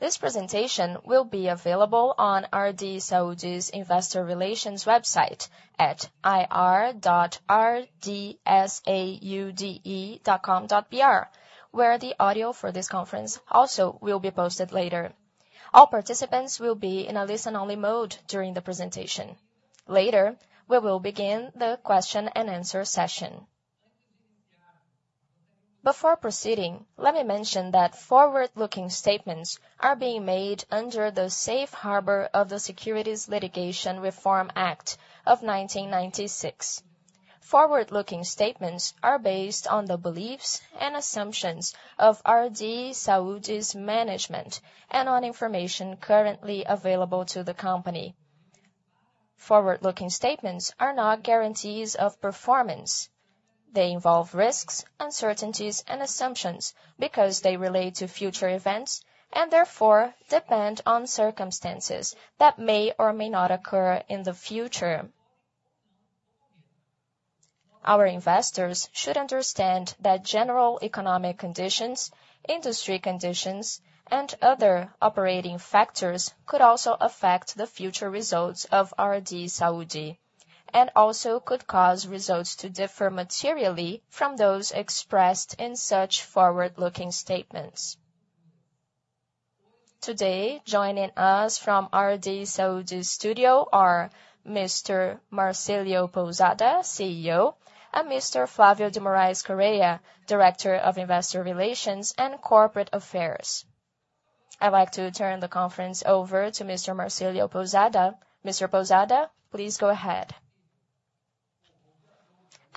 This presentation will be available on RD Saúde's Investor Relations website at ir.rdsaude.com.br, where the audio for this conference also will be posted later. All participants will be in a listen-only mode during the presentation. Later, we will begin the question-and-answer session. Before proceeding, let me mention that forward-looking statements are being made under the safe harbor of the Securities Litigation Reform Act of 1996. Forward-looking statements are based on the beliefs and assumptions of RD Saúde's management and on information currently available to the company. Forward-looking statements are not guarantees of performance. They involve risks, uncertainties and assumptions because they relate to future events and therefore depend on circumstances that may or may not occur in the future. Our investors should understand that general economic conditions, industry conditions, and other operating factors could also affect the future results of RD Saúde, and also could cause results to differ materially from those expressed in such forward-looking statements. Today, joining us from RD Saúde studio are Mr. Marcílio Pousada, CEO, and Mr. Flávio de Moraes Correia, Director of Investor Relations and Corporate Affairs. I'd like to turn the conference over to Mr. Marcílio Pousada. Mr. Pousada, please go ahead.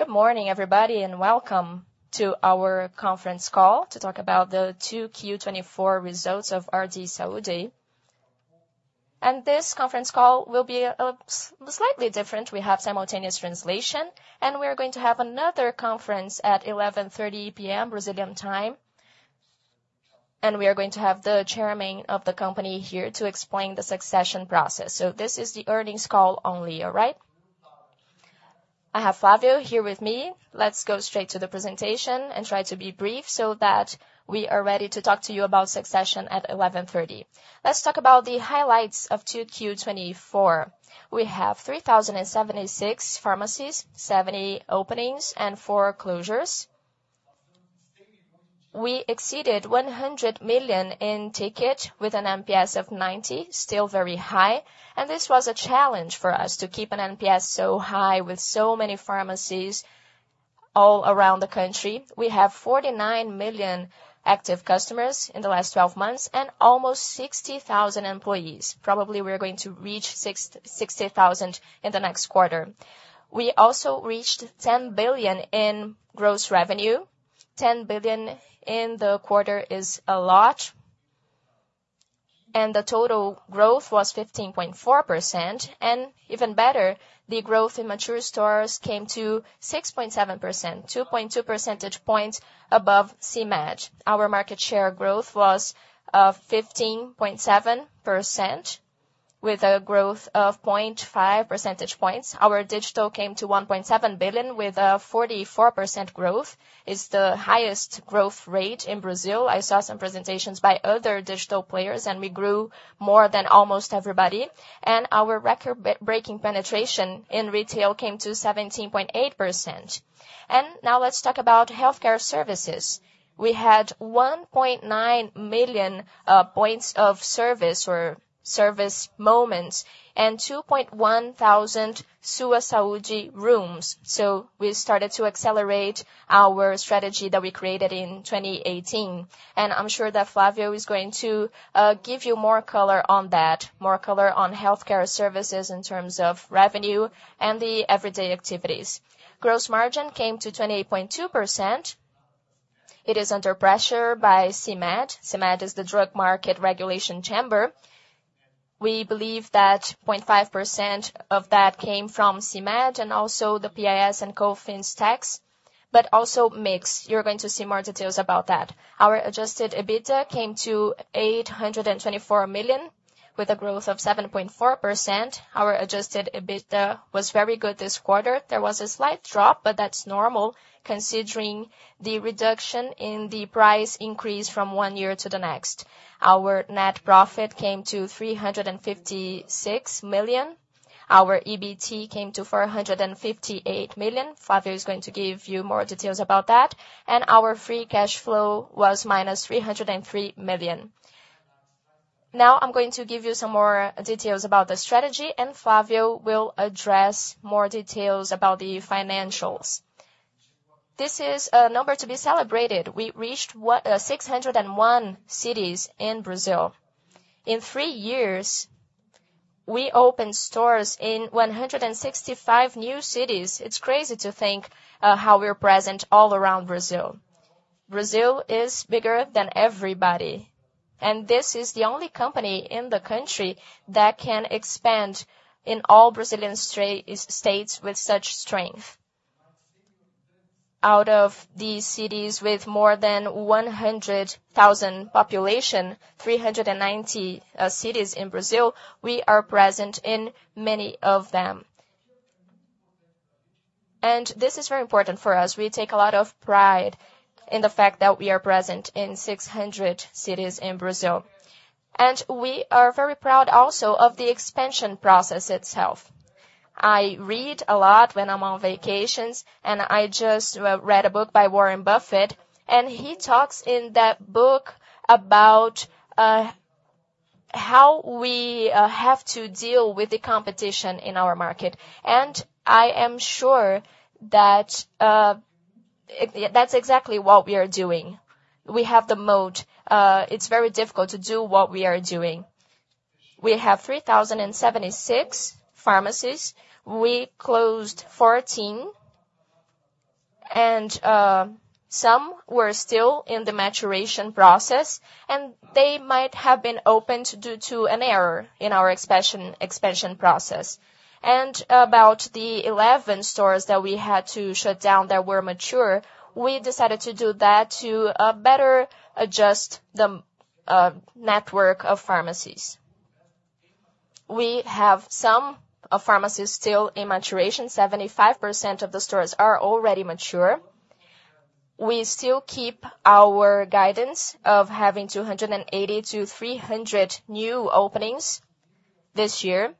Good morning, everybody, and welcome to our conference call to talk about the Q2 2024 results of RD Saúde. This conference call will be slightly different. We have simultaneous translation, and we are going to have another conference at 11:30 P.M. Brazilian time, and we are going to have the chairman of the company here to explain the succession process. So this is the earnings call only, all right? I have Flávio here with me. Let's go straight to the presentation and try to be brief so that we are ready to talk to you about succession at 11:30. Let's talk about the highlights of 2Q 2024. We have 3,076 pharmacies, 70 openings, and 4 closures. We exceeded 100 million in ticket with an NPS of 90, still very high, and this was a challenge for us to keep an NPS so high with so many pharmacies all around the country. We have 49 million active customers in the last twelve months and almost 60,000 employees. Probably, we are going to reach 60,000 in the next quarter. We also reached 10 billion in gross revenue. 10 billion in the quarter is a lot, and the total growth was 15.4%. And even better, the growth in mature stores came to 6.7%, 2.2 percentage points above CMED. Our market share growth was fifteen point seven percent, with a growth of 0.5 percentage points. Our digital came to 1.7 billion with a 44% growth. It's the highest growth rate in Brazil. I saw some presentations by other digital players, and we grew more than almost everybody, and our record-breaking penetration in retail came to 17.8%. And now let's talk about healthcare services. We had 1.9 million points of service or service moments and 2.1 thousand Sua Saúde rooms. So we started to accelerate our strategy that we created in 2018, and I'm sure that Flávio is going to give you more color on that, more color on healthcare services in terms of revenue and the everyday activities. Gross margin came to 28.2%. It is under pressure by CMED. CMED is the Drug Market Regulation Chamber. We believe that 0.5% of that came from CMED and also the PIS and COFINS tax, but also mix. You're going to see more details about that. Our adjusted EBITDA came to 824 million, with a growth of 7.4%. Our adjusted EBITDA was very good this quarter. There was a slight drop, but that's normal, considering the reduction in the price increase from one year to the next. Our net profit came to 356 million. Our EBT came to 458 million. Flávio is going to give you more details about that, and our free cash flow was -303 million. Now I'm going to give you some more details about the strategy, and Flávio will address more details about the financials. This is a number to be celebrated. We reached what, 601 cities in Brazil. In 3 years, we opened stores in 165 new cities. It's crazy to think, how we are present all around Brazil. Brazil is bigger than everybody, and this is the only company in the country that can expand in all Brazilian states with such strength. Out of these cities, with more than 100,000 population, 390 cities in Brazil, we are present in many of them. This is very important for us. We take a lot of pride in the fact that we are present in 600 cities in Brazil, and we are very proud also of the expansion process itself. I read a lot when I'm on vacations, and I just read a book by Warren Buffett, and he talks in that book about how we have to deal with the competition in our market. I am sure that it-- that's exactly what we are doing. We have the moat. It's very difficult to do what we are doing. We have 3,076 pharmacies. We closed 14, and some were still in the maturation process, and they might have been opened due to an error in our expansion, expansion process. About the 11 stores that we had to shut down that were mature, we decided to do that to better adjust the network of pharmacies. We have some pharmacies still in maturation. 75% of the stores are already mature. We still keep our guidance of having 280-300 new openings this year,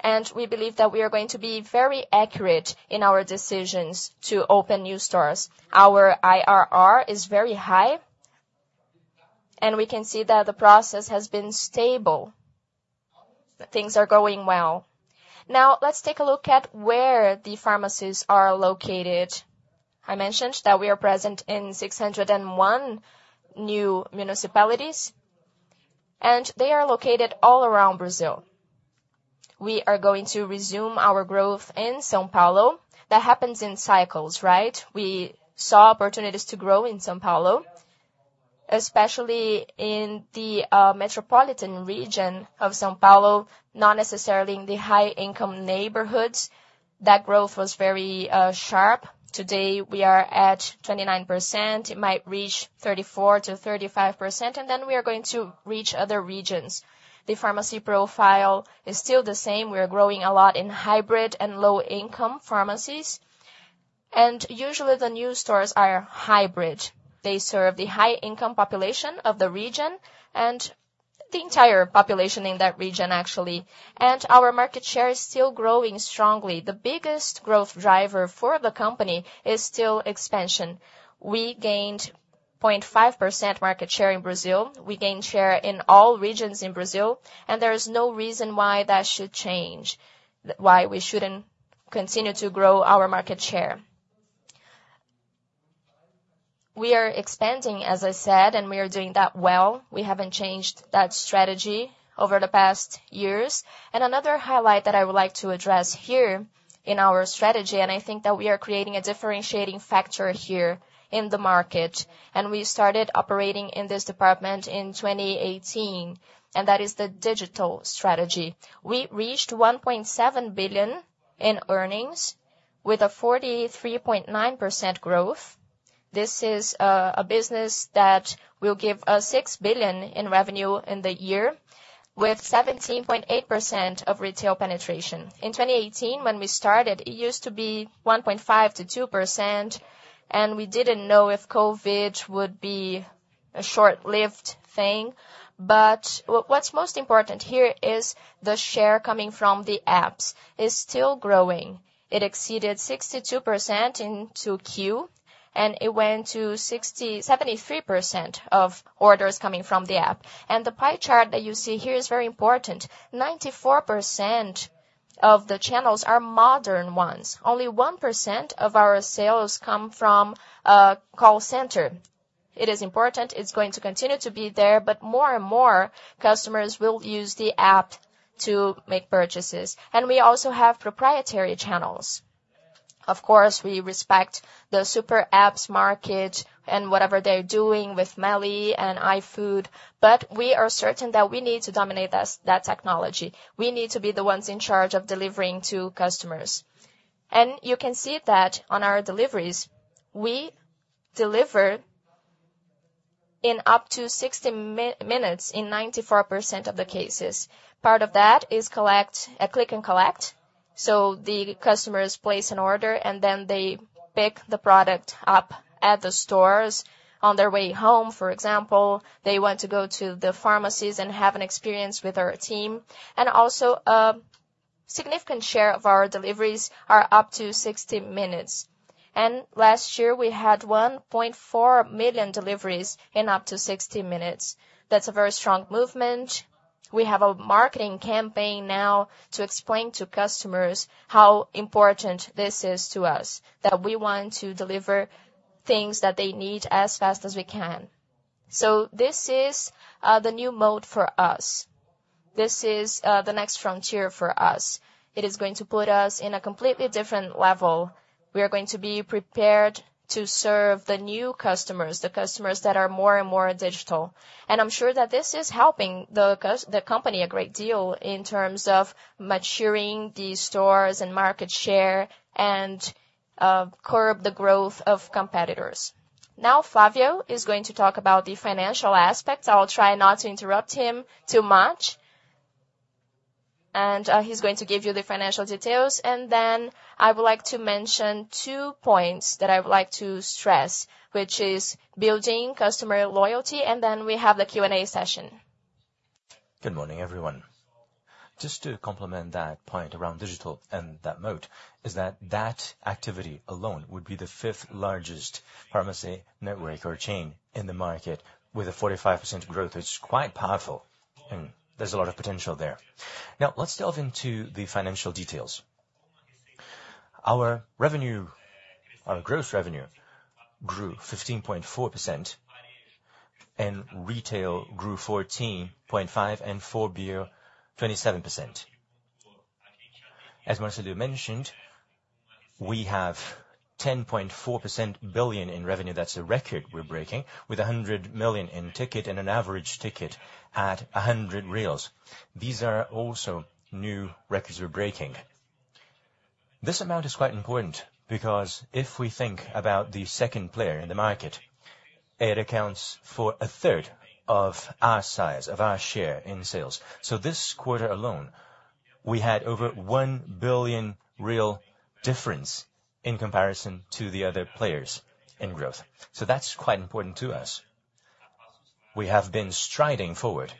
and we believe that we are going to be very accurate in our decisions to open new stores. Our IRR is very high, and we can see that the process has been stable. Things are going well. Now, let's take a look at where the pharmacies are located. I mentioned that we are present in 601 new municipalities, and they are located all around Brazil. We are going to resume our growth in São Paulo. That happens in cycles, right? We saw opportunities to grow in São Paulo, especially in the metropolitan region of São Paulo, not necessarily in the high-income neighborhoods. That growth was very sharp. Today, we are at 29%. It might reach 34%-35%, and then we are going to reach other regions. The pharmacy profile is still the same. We are growing a lot in hybrid and low-income pharmacies, and usually, the new stores are hybrid. They serve the high-income population of the region and the entire population in that region, actually. Our market share is still growing strongly. The biggest growth driver for the company is still expansion. We gained 0.5% market share in Brazil. We gained share in all regions in Brazil, and there is no reason why that should change, why we shouldn't continue to grow our market share. We are expanding, as I said, and we are doing that well. We haven't changed that strategy over the past years. Another highlight that I would like to address here in our strategy, and I think that we are creating a differentiating factor here in the market, and we started operating in this department in 2018, and that is the digital strategy. We reached 1.7 billion in earnings with a 43.9% growth. This is a business that will give us 6 billion in revenue in the year with 17.8% of retail penetration. In 2018, when we started, it used to be 1.5%-2%, and we didn't know if COVID would be a short-lived thing. But what's most important here is the share coming from the apps is still growing. It exceeded 62% in 2Q, and it went to 67% of orders coming from the app. And the pie chart that you see here is very important. 94% of the channels are modern ones. Only 1% of our sales come from call center. It is important, it's going to continue to be there, but more and more customers will use the app to make purchases. And we also have proprietary channels. Of course, we respect the super apps market and whatever they're doing with Meli and iFood, but we are certain that we need to dominate this, that technology. We need to be the ones in charge of delivering to customers. And you can see that on our deliveries, we deliver in up to 60 minutes in 94% of the cases. Part of that is Click and Collect, so the customers place an order, and then they pick the product up at the stores on their way home, for example. They want to go to the pharmacies and have an experience with our team. And also, a significant share of our deliveries are up to 60 minutes. And last year, we had 1.4 million deliveries in up to 60 minutes. That's a very strong movement. We have a marketing campaign now to explain to customers how important this is to us, that we want to deliver things that they need as fast as we can. So this is the new mode for us. This is the next frontier for us. It is going to put us in a completely different level. We are going to be prepared to serve the new customers, the customers that are more and more digital. And I'm sure that this is helping the company a great deal in terms of maturing the stores and market share and curb the growth of competitors. Now, Flávio is going to talk about the financial aspects. I'll try not to interrupt him too much. And he's going to give you the financial details, and then I would like to mention two points that I would like to stress, which is building customer loyalty, and then we have the Q&A session. Good morning, everyone. Just to complement that point around digital and that moat, is that that activity alone would be the fifth largest pharmacy network or chain in the market, with a 45% growth. It's quite powerful, and there's a lot of potential there. Now, let's delve into the financial details. Our revenue, our gross revenue grew 15.4%, and retail grew 14.5%, and 4Bio, 27%. As Marcílio mentioned, we have 10.4 billion in revenue. That's a record we're breaking, with 100 million in ticket and an average ticket at 100 reals. These are also new records we're breaking. This amount is quite important because if we think about the second player in the market, it accounts for a third of our size, of our share in sales. So this quarter alone, we had over 1 billion real difference in comparison to the other players in growth. So that's quite important to us. We have been striding forward.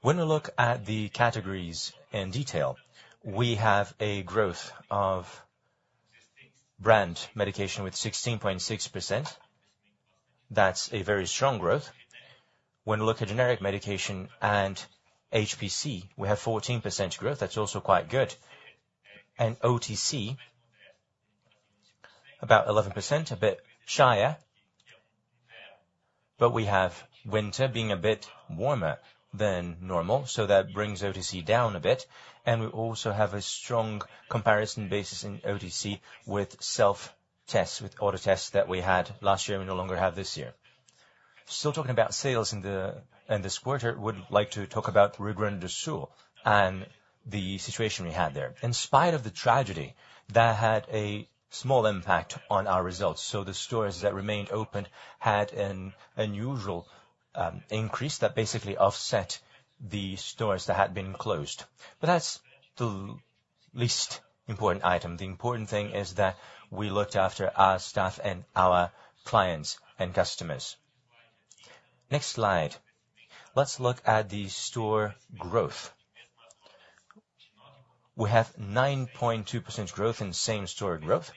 When we look at the categories in detail, we have a growth of brand medication with 16.6%. That's a very strong growth. When we look at generic medication and HPC, we have 14% growth. That's also quite good. And OTC, about 11%, a bit shyer, but we have winter being a bit warmer than normal, so that brings OTC down a bit. And we also have a strong comparison basis in OTC with self-tests, with order tests that we had last year, we no longer have this year. Still talking about sales in this quarter, would like to talk about Rio Grande do Sul and the situation we had there. In spite of the tragedy, that had a small impact on our results. So the stores that remained open had an unusual increase that basically offset the stores that had been closed. But that's the least important item. The important thing is that we looked after our staff and our clients and customers. Next slide, let's look at the store growth. We have 9.2% growth in same-store growth,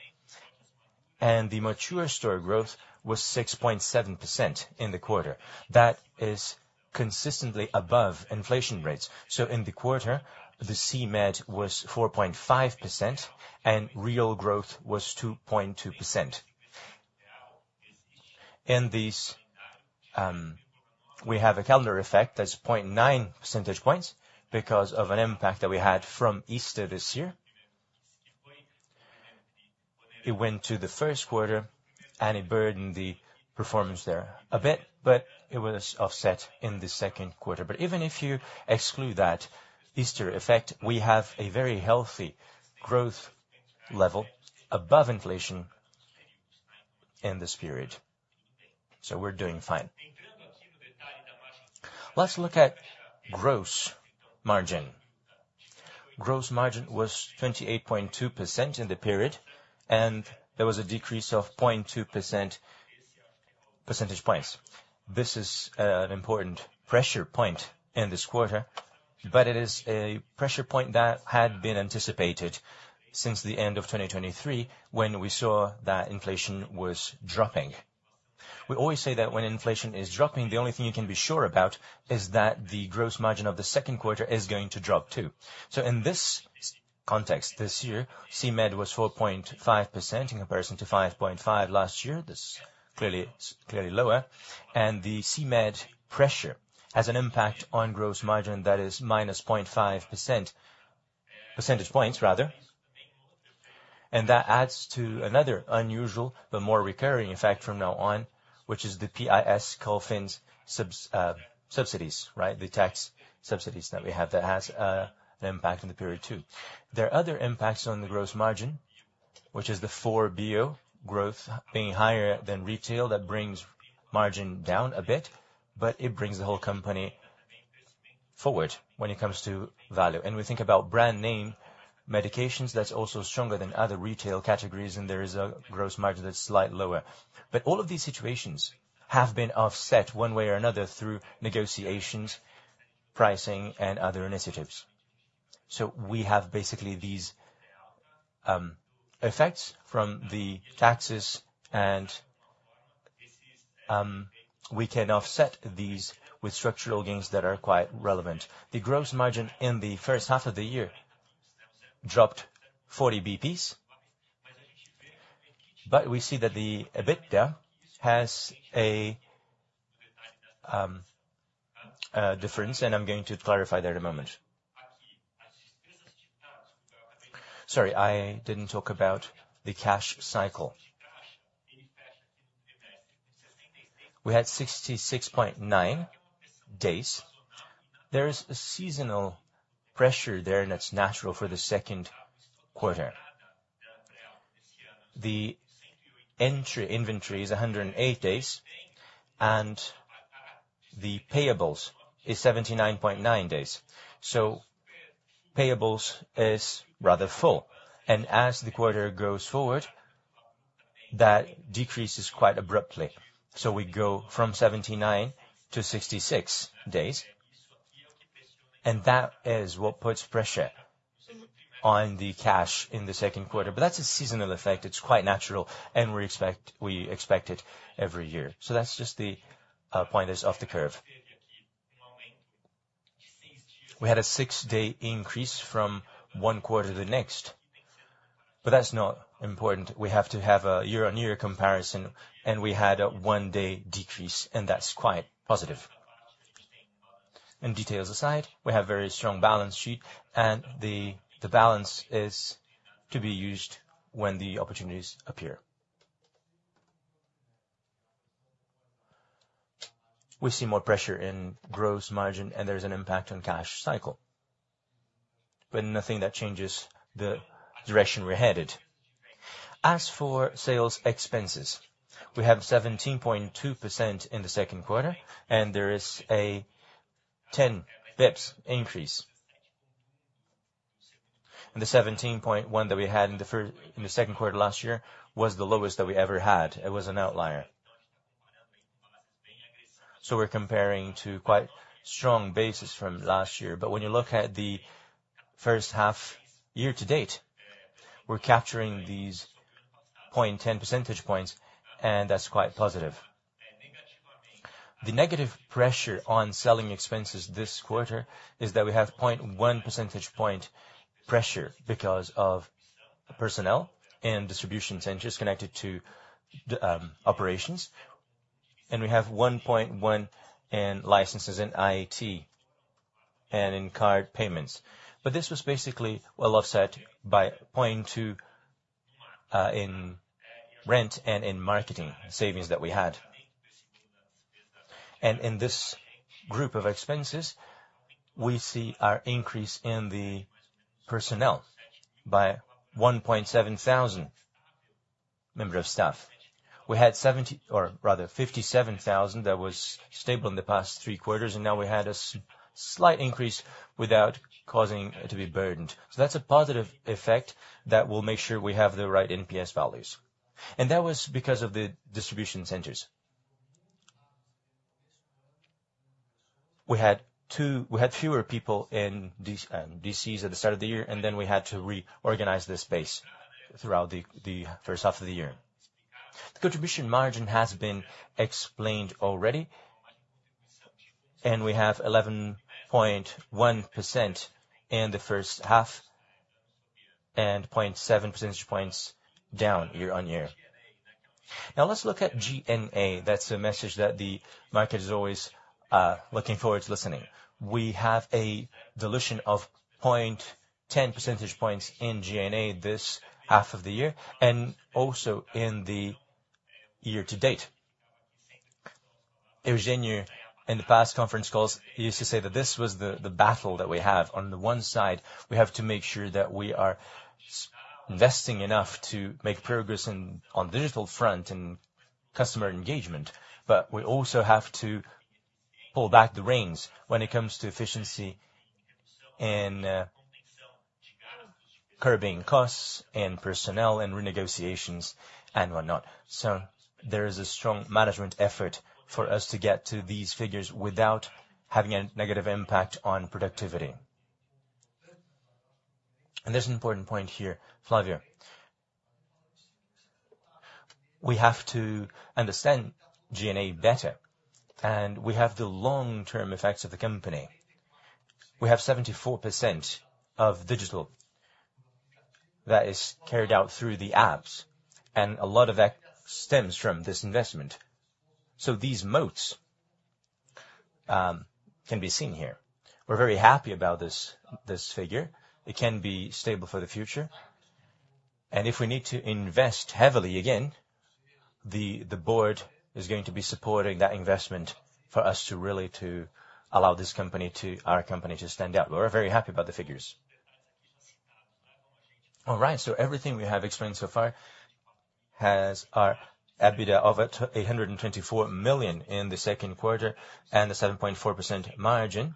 and the mature store growth was 6.7% in the quarter. That is consistently above inflation rates. So in the quarter, the CMED was 4.5%, and real growth was 2.2%. In these, we have a calendar effect that's 0.9 percentage points because of an impact that we had from Easter this year. It went to the Q1, and it burdened the performance there a bit, but it was offset in the Q2. But even if you exclude that Easter effect, we have a very healthy growth level above inflation in this period, so we're doing fine. Let's look at gross margin. Gross margin was 28.2% in the period, and there was a decrease of 0.2 percentage points. This is an important pressure point in this quarter, but it is a pressure point that had been anticipated since the end of 2023, when we saw that inflation was dropping. We always say that when inflation is dropping, the only thing you can be sure about is that the gross margin of the Q2 is going to drop, too. So in this context, this year, CMED was 4.5% in comparison to 5.5% last year. This clearly, it's clearly lower. And the CMED pressure has an impact on gross margin that is minus 0.5 percentage points, rather. And that adds to another unusual but more recurring effect from now on, which is the PIS/COFINS subs, subsidies, right? The tax subsidies that we have. That has an impact on the period, too. There are other impacts on the gross margin, which is the 4Bio growth being higher than retail. That brings margin down a bit, but it brings the whole company forward when it comes to value. And we think about brand name medications, that's also stronger than other retail categories, and there is a gross margin that's slightly lower. But all of these situations have been offset one way or another through negotiations, pricing, and other initiatives. So we have basically these, effects from the taxes, and, we can offset these with structural gains that are quite relevant. The gross margin in the first half of the year dropped 40 BPs, but we see that the EBITDA has a, a difference, and I'm going to clarify that in a moment. Sorry, I didn't talk about the cash cycle. We had 66.9 days. There is a seasonal pressure there, and that's natural for the Q2. The entry inventory is 108 days, and the payables is 79.9 days. So payables is rather full, and as the quarter goes forward, that decreases quite abruptly. So we go from 79 to 66 days, and that is what puts pressure on the cash in the Q2. But that's a seasonal effect. It's quite natural, and we expect, we expect it every year. So that's just the point is off the curve. We had a 6-day increase from one quarter to the next, but that's not important. We have to have a year-on-year comparison, and we had a 1-day decrease, and that's quite positive. And details aside, we have very strong balance sheet, and the balance is to be used when the opportunities appear. We see more pressure in gross margin, and there's an impact on cash cycle, but nothing that changes the direction we're headed. As for sales expenses, we have 17.2% in the Q2, and there is a 10 basis points increase. And the 17.1 that we had in the first-- in the Q2 last year was the lowest that we ever had. It was an outlier. So we're comparing to quite strong basis from last year. But when you look at the first half year-to-date, we're capturing 0.10 percentage points, and that's quite positive. The negative pressure on selling expenses this quarter is that we have 0.1 percentage point pressure because of personnel and distribution centers connected to the operations, and we have 1.1 in licenses in IT and in card payments. But this was basically well offset by 0.2 in rent and in marketing savings that we had. And in this group of expenses, we see our increase in the personnel by 1.7 thousand members of staff. We had seventy or rather 57,000, that was stable in the past three quarters, and now we had a slight increase without causing it to be burdened. So that's a positive effect that will make sure we have the right NPS values. And that was because of the distribution centers. We had fewer people in DC, DCs at the start of the year, and then we had to reorganize the space throughout the first half of the year. The contribution margin has been explained already, and we have 11.1% in the first half and 0.7 percentage points down year-on-year. Now let's look at G&A. That's a message that the market is always looking forward to listening. We have a dilution of 0.10 percentage points in G&A this half of the year and also in the year-to-date. Eugênio, in the past conference calls, he used to say that this was the, the battle that we have. On the one side, we have to make sure that we are investing enough to make progress in, on digital front and customer engagement, but we also have to pull back the reins when it comes to efficiency and, curbing costs and personnel and renegotiations and whatnot. So there is a strong management effort for us to get to these figures without having a negative impact on productivity. And there's an important point here, Flávio. We have to understand G&A better, and we have the long-term effects of the company. We have 74% of digital that is carried out through the apps, and a lot of that stems from this investment. So these moats can be seen here. We're very happy about this, this figure. It can be stable for the future, and if we need to invest heavily again, the board is going to be supporting that investment for us to really allow this company to—our company to stand out. We're very happy about the figures. All right, so everything we have explained so far has our EBITDA of 124 million in the Q2 and a 7.4% margin.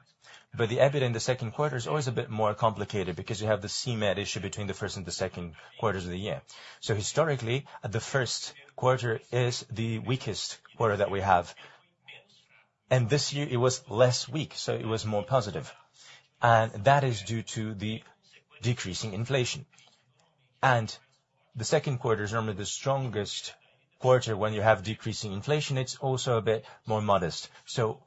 But the EBITDA in the Q2 is always a bit more complicated because you have the CMED issue between the first and the Q2s of the year. So historically, the Q1 is the weakest quarter that we have, and this year it was less weak, so it was more positive, and that is due to the decreasing inflation. The Q2 is normally the strongest quarter when you have decreasing inflation. It's also a bit more modest. So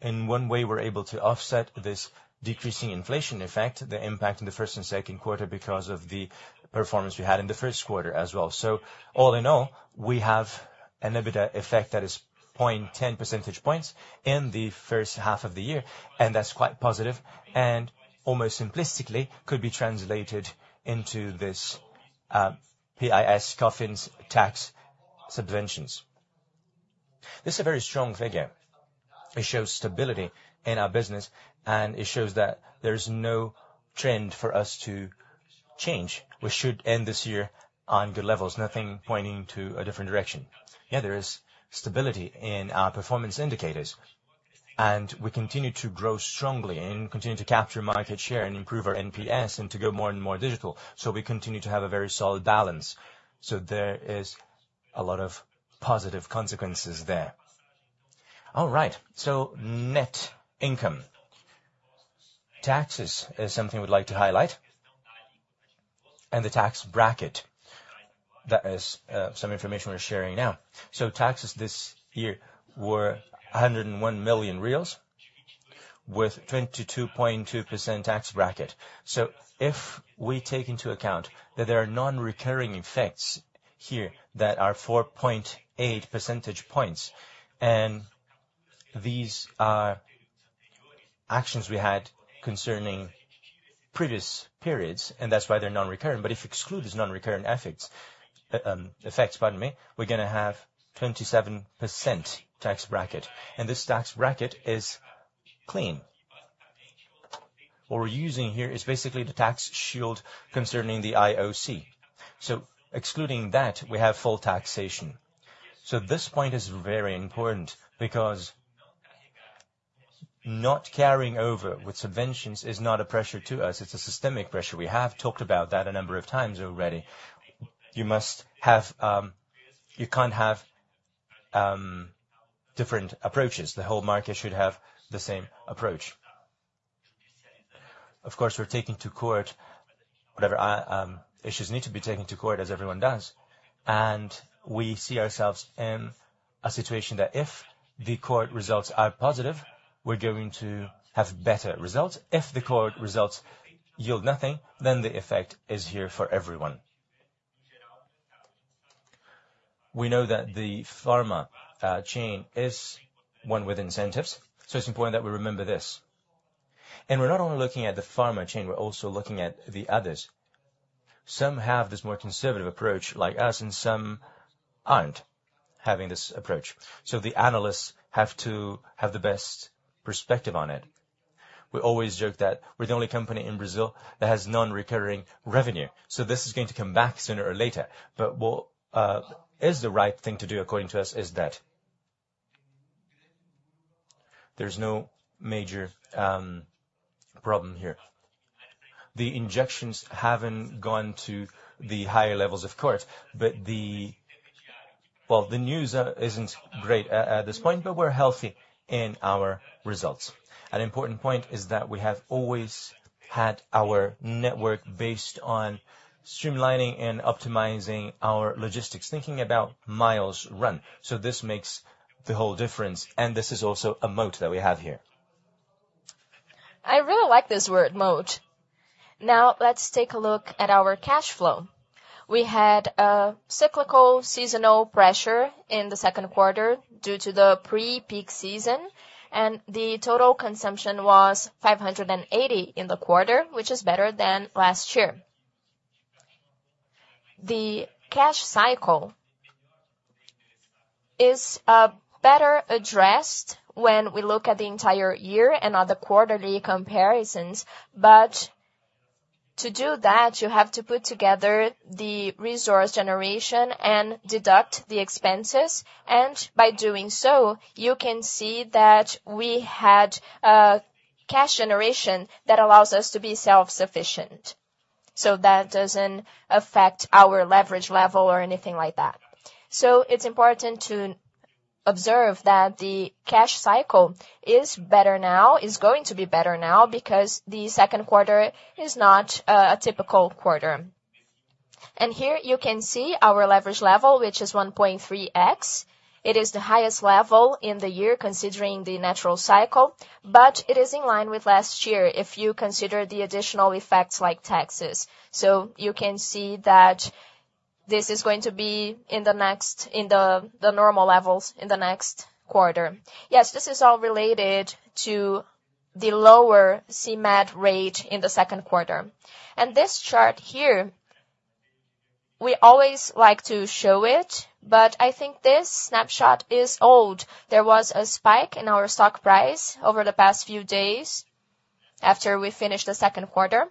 in one way, we're able to offset this decreasing inflation effect, the impact in the first and Q2, because of the performance we had in the Q1 as well. So all in all, we have an EBITDA effect that is 0.10 percentage points in the first half of the year, and that's quite positive, and almost simplistically, could be translated into this, PIS, COFINS, tax subventions. This is a very strong figure. It shows stability in our business, and it shows that there is no trend for us to change. We should end this year on good levels, nothing pointing to a different direction. Yeah, there is stability in our performance indicators, and we continue to grow strongly and continue to capture market share and improve our NPS, and to go more and more digital. So we continue to have a very solid balance. So there is a lot of positive consequences there. All right, so net income. Taxes is something we'd like to highlight, and the tax bracket. That is, some information we're sharing now. So taxes this year were 101 million, with 22.2% tax bracket. So if we take into account that there are non-recurring effects here that are 4.8 percentage points, and these are actions we had concerning previous periods, and that's why they're non-recurring. But if you exclude these non-recurring effects, we're gonna have 27% tax bracket, and this tax bracket is clean. What we're using here is basically the tax shield concerning the ICMS. So excluding that, we have full taxation. So this point is very important because not carrying over with subventions is not a pressure to us, it's a systemic pressure. We have talked about that a number of times already. You must have, you can't have different approaches. The whole market should have the same approach. Of course, we're taking to court whatever issues need to be taken to court, as everyone does, and we see ourselves in a situation that if the court results are positive, we're going to have better results. If the court results yield nothing, then the effect is here for everyone. We know that the pharma chain is one with incentives, so it's important that we remember this. And we're not only looking at the pharma chain, we're also looking at the others. Some have this more conservative approach, like us, and some aren't having this approach. So the analysts have to have the best perspective on it. We always joke that we're the only company in Brazil that has non-recurring revenue, so this is going to come back sooner or later. But what is the right thing to do, according to us, is that there's no major problem here. The injections haven't gone to the higher levels, of course, but well, the news isn't great at this point, but we're healthy in our results. An important point is that we have always had our network based on streamlining and optimizing our logistics, thinking about miles run. So this makes the whole difference, and this is also a moat that we have here. I really like this word, moat. Now, let's take a look at our cash flow. We had a cyclical seasonal pressure in the Q2 due to the pre-peak season, and the total consumption was 580 in the quarter, which is better than last year. The cash cycle is better addressed when we look at the entire year and other quarterly comparisons. But to do that, you have to put together the resource generation and deduct the expenses, and by doing so, you can see that we had a cash generation that allows us to be self-sufficient. So that doesn't affect our leverage level or anything like that. So it's important to observe that the cash cycle is better now, is going to be better now because the Q2 is not a typical quarter. Here you can see our leverage level, which is 1.3x. It is the highest level in the year, considering the natural cycle, but it is in line with last year if you consider the additional effects like taxes. You can see that this is going to be in the next, the normal levels in the next quarter. Yes, this is all related to the lower CMED rate in the Q2. This chart here, we always like to show it, but I think this snapshot is old. There was a spike in our stock price over the past few days after we finished the Q2.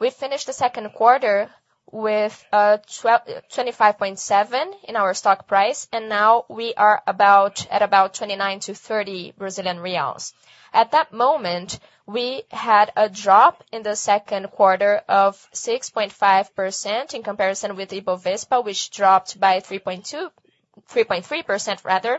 We finished the Q2 with 25.7 in our stock price, and now we are about at about 29-30 Brazilian reais. At that moment, we had a drop in the Q2 of 6.5% in comparison with the Bovespa, which dropped by 3.3%, rather.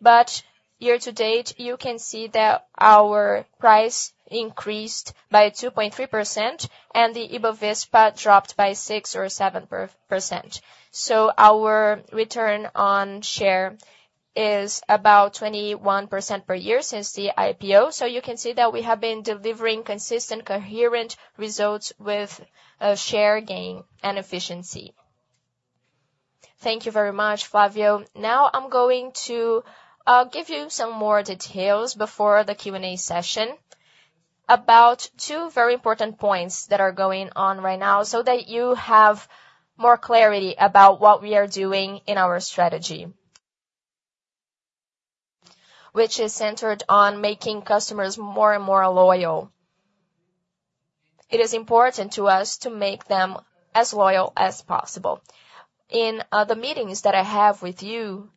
But year to date, you can see that our price increased by 2.3%, and the Bovespa dropped by 6%-7%. So our return on share is about 21% per year since the IPO. So you can see that we have been delivering consistent, coherent results with share gain and efficiency. Thank you very much, Flávio. It is important to us to make them as loyal as possible. In the meetings that I have with you,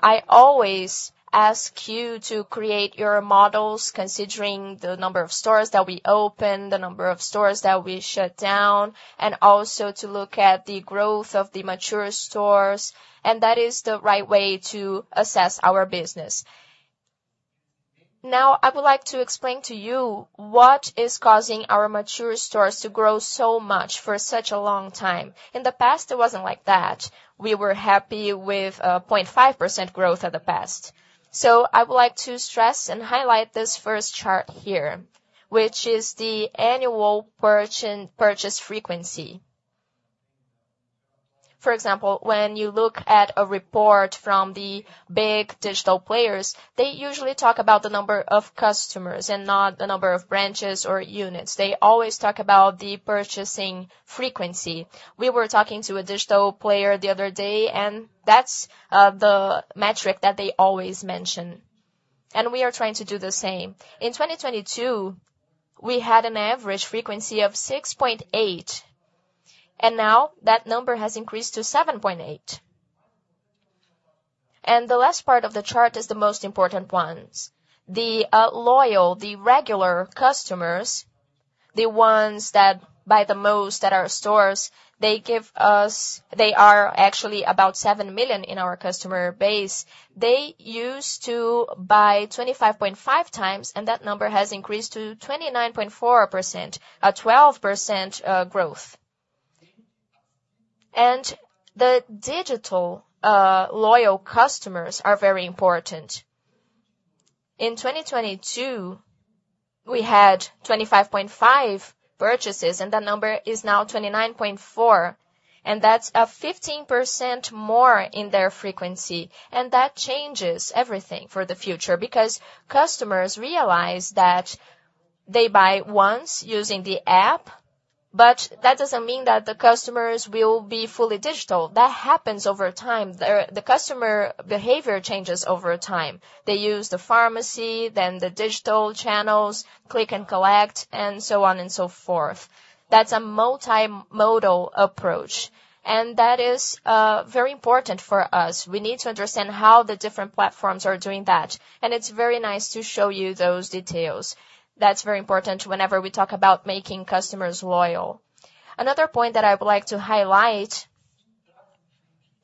I always ask you to create your models considering the number of stores that we open, the number of stores that we shut down, and also to look at the growth of the mature stores, and that is the right way to assess our business. Now, I would like to explain to you what is causing our mature stores to grow so much for such a long time. In the past, it wasn't like that. We were happy with 0.5% growth in the past. So I would like to stress and highlight this first chart here, which is the annual purchase frequency. For example, when you look at a report from the big digital players, they usually talk about the number of customers and not the number of branches or units. They always talk about the purchasing frequency. We were talking to a digital player the other day, and that's, the metric that they always mention, and we are trying to do the same. In 2022, we had an average frequency of 6.8, and now that number has increased to 7.8. The last part of the chart is the most important ones. The loyal, the regular customers, the ones that buy the most at our stores, they are actually about 7 million in our customer base. They used to buy 25.5 times, and that number has increased to 29.4%, a 12% growth. The digital loyal customers are very important. In 2022, we had 25.5 purchases, and the number is now 29.4, and that's 15% more in their frequency. That changes everything for the future, because customers realize that they buy once using the app, but that doesn't mean that the customers will be fully digital. That happens over time. The customer behavior changes over time. They use the pharmacy, then the digital channels, click and collect, and so on and so forth. That's a multimodal approach, and that is very important for us. We need to understand how the different platforms are doing that, and it's very nice to show you those details. That's very important whenever we talk about making customers loyal. Another point that I would like to highlight,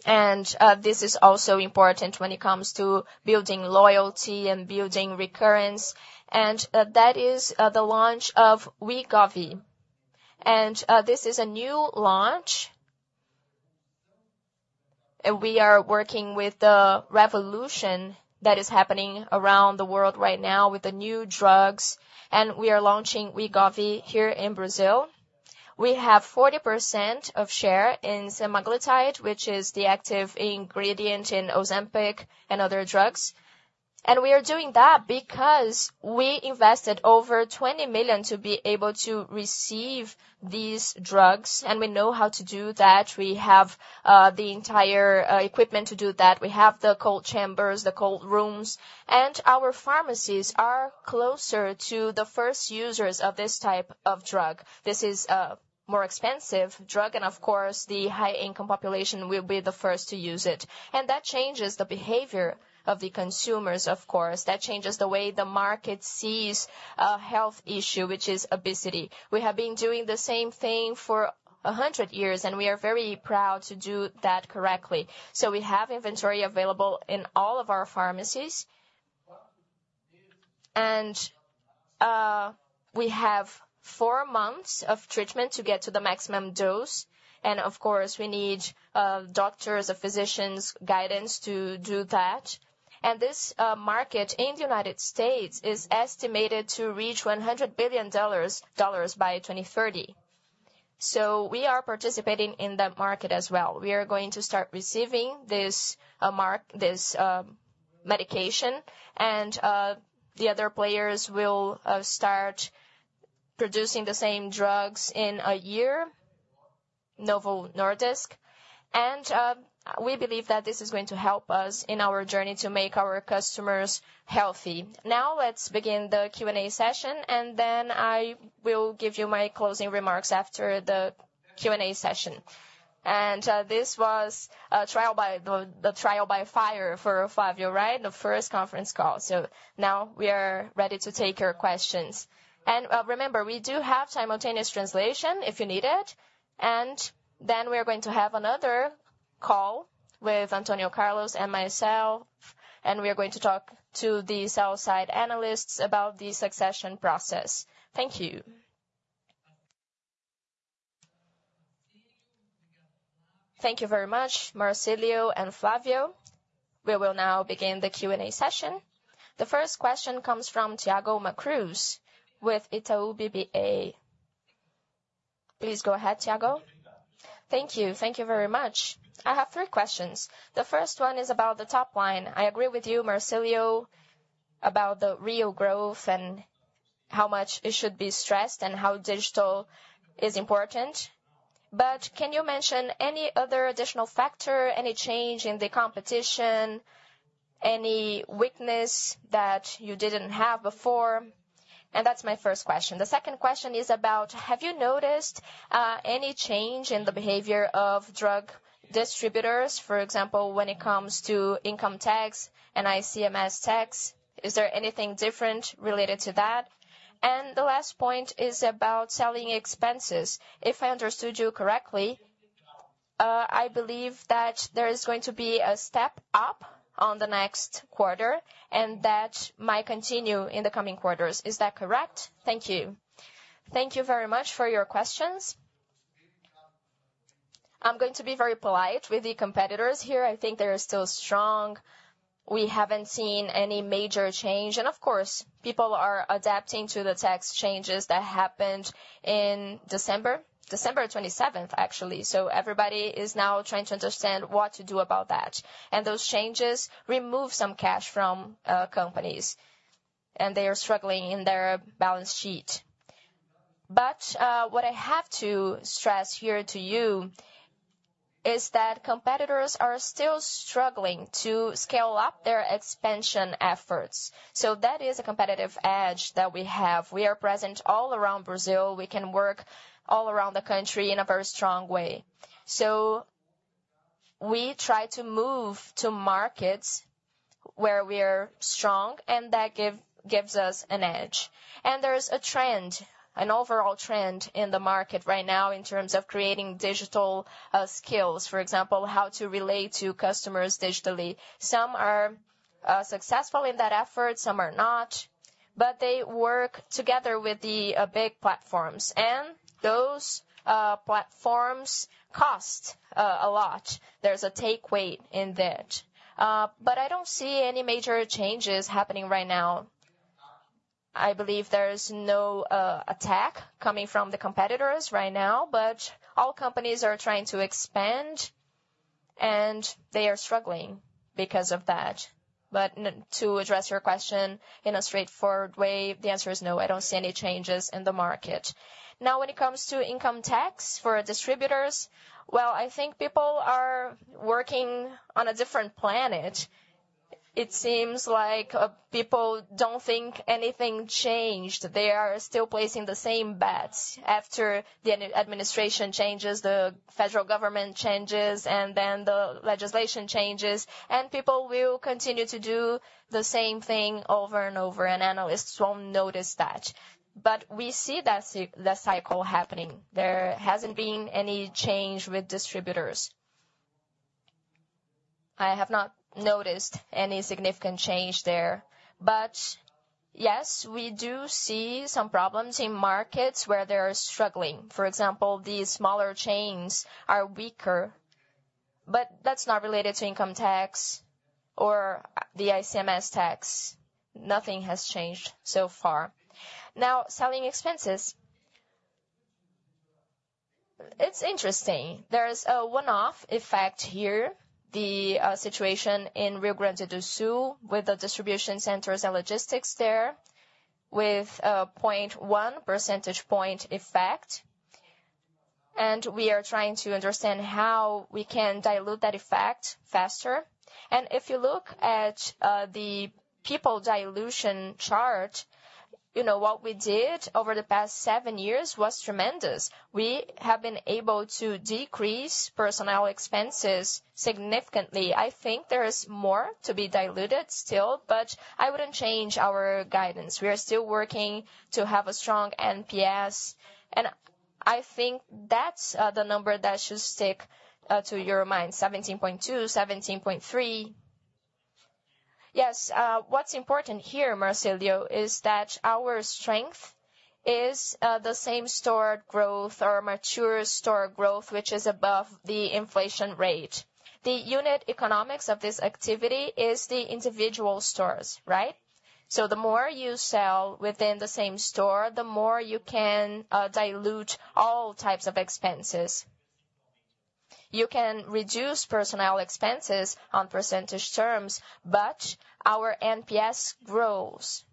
and this is also important when it comes to building loyalty and building recurrence, and that is the launch of Wegovy. This is a new launch. We are working with the revolution that is happening around the world right now with the new drugs, and we are launching Wegovy here in Brazil. We have 40% of share in semaglutide, which is the active ingredient in Ozempic and other drugs. We are doing that because we invested over 20 million to be able to receive these drugs, and we know how to do that. We have the entire equipment to do that. We have the cold chambers, the cold rooms, and our pharmacies are closer to the first users of this type of drug. This is a more expensive drug, and of course, the high-income population will be the first to use it. That changes the behavior of the consumers, of course. That changes the way the market sees a health issue, which is obesity. We have been doing the same thing for 100 years, and we are very proud to do that correctly. We have inventory available in all of our pharmacies, and we have 4 months of treatment to get to the maximum dose, and of course, we need doctors or physicians' guidance to do that. This market in the United States is estimated to reach $100 billion dollars by 2030. We are participating in that market as well. We are going to start receiving this medication, and the other players will start producing the same drugs in a year, Novo Nordisk. And we believe that this is going to help us in our journey to make our customers healthy. Now, let's begin the Q&A session, and then I will give you my closing remarks after the Q&A session. And this was a trial by fire for Flávio, right? The first conference call. So now we are ready to take your questions. And remember, we do have simultaneous translation if you need it. And then we are going to have another call with Antônio Carlos and myself, and we are going to talk to the sell-side analysts about the succession process. Thank you. Thank you very much, Marcílio and Flávio. We will now begin the Q&A session. The first question comes from Thiago Macruz with Itaú BBA. Please go ahead, Thiago. Thank you. Thank you very much. I have three questions. The first one is about the top line. I agree with you, Marcílio, about the real growth and how much it should be stressed and how digital is important. But can you mention any other additional factor, any change in the competition, any weakness that you didn't have before? And that's my first question. The second question is about, have you noticed, any change in the behavior of drug distributors, for example, when it comes to income tax and ICMS tax? Is there anything different related to that? And the last point is about selling expenses. If I understood you correctly, I believe that there is going to be a step up on the next quarter, and that might continue in the coming quarters. Is that correct? Thank you. Thank you very much for your questions. I'm going to be very polite with the competitors here. I think they are still strong. We haven't seen any major change, and of course, people are adapting to the tax changes that happened in December, December 27th, actually. So everybody is now trying to understand what to do about that. Those changes remove some cash from, companies, and they are struggling in their balance sheet. But, what I have to stress here to you is that competitors are still struggling to scale up their expansion efforts. So that is a competitive edge that we have. We are present all around Brazil. We can work all around the country in a very strong way. So we try to move to markets where we are strong and that give, gives us an edge. And there is a trend, an overall trend in the market right now in terms of creating digital skills, for example, how to relate to customers digitally. Some are successful in that effort, some are not, but they work together with the big platforms, and those platforms cost a lot. There's a take rate in that. But I don't see any major changes happening right now. I believe there's no attack coming from the competitors right now, but all companies are trying to expand, and they are struggling because of that. But to address your question in a straightforward way, the answer is no, I don't see any changes in the market. Now, when it comes to income tax for distributors, well, I think people are working on a different planet. It seems like, people don't think anything changed. They are still placing the same bets after the administration changes, the federal government changes, and then the legislation changes, and people will continue to do the same thing over and over, and analysts won't notice that. But we see that the cycle happening. There hasn't been any change with distributors. I have not noticed any significant change there. But yes, we do see some problems in markets where they are struggling. For example, the smaller chains are weaker, but that's not related to income tax or the ICMS tax. Nothing has changed so far. Now, selling expenses. It's interesting. There is a one-off effect here, the situation in Rio Grande do Sul, with the distribution centers and logistics there, with a 0.1 percentage point effect, and we are trying to understand how we can dilute that effect faster. If you look at the people dilution chart, you know, what we did over the past 7 years was tremendous. We have been able to decrease personnel expenses significantly. I think there is more to be diluted still, but I wouldn't change our guidance. We are still working to have a strong NPS, and I think that's the number that should stick to your mind, 17.2, 17.3. Yes, what's important here, Marcílio, is that our strength is the same store growth or mature store growth, which is above the inflation rate. The unit economics of this activity is the individual stores, right? So the more you sell within the same store, the more you can dilute all types of expenses. You can reduce personnel expenses on percentage terms, but our NPS grows,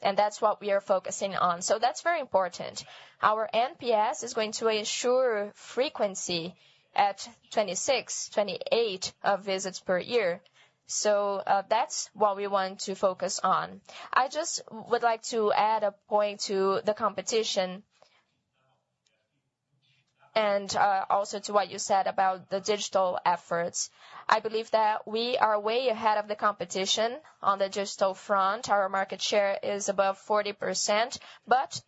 and that's what we are focusing on. So that's very important. Our NPS is going to ensure frequency at 26, 28 visits per year. So that's what we want to focus on. I just would like to add a point to the competition and also to what you said about the digital efforts. I believe that we are way ahead of the competition on the digital front. Our market share is above 40%, but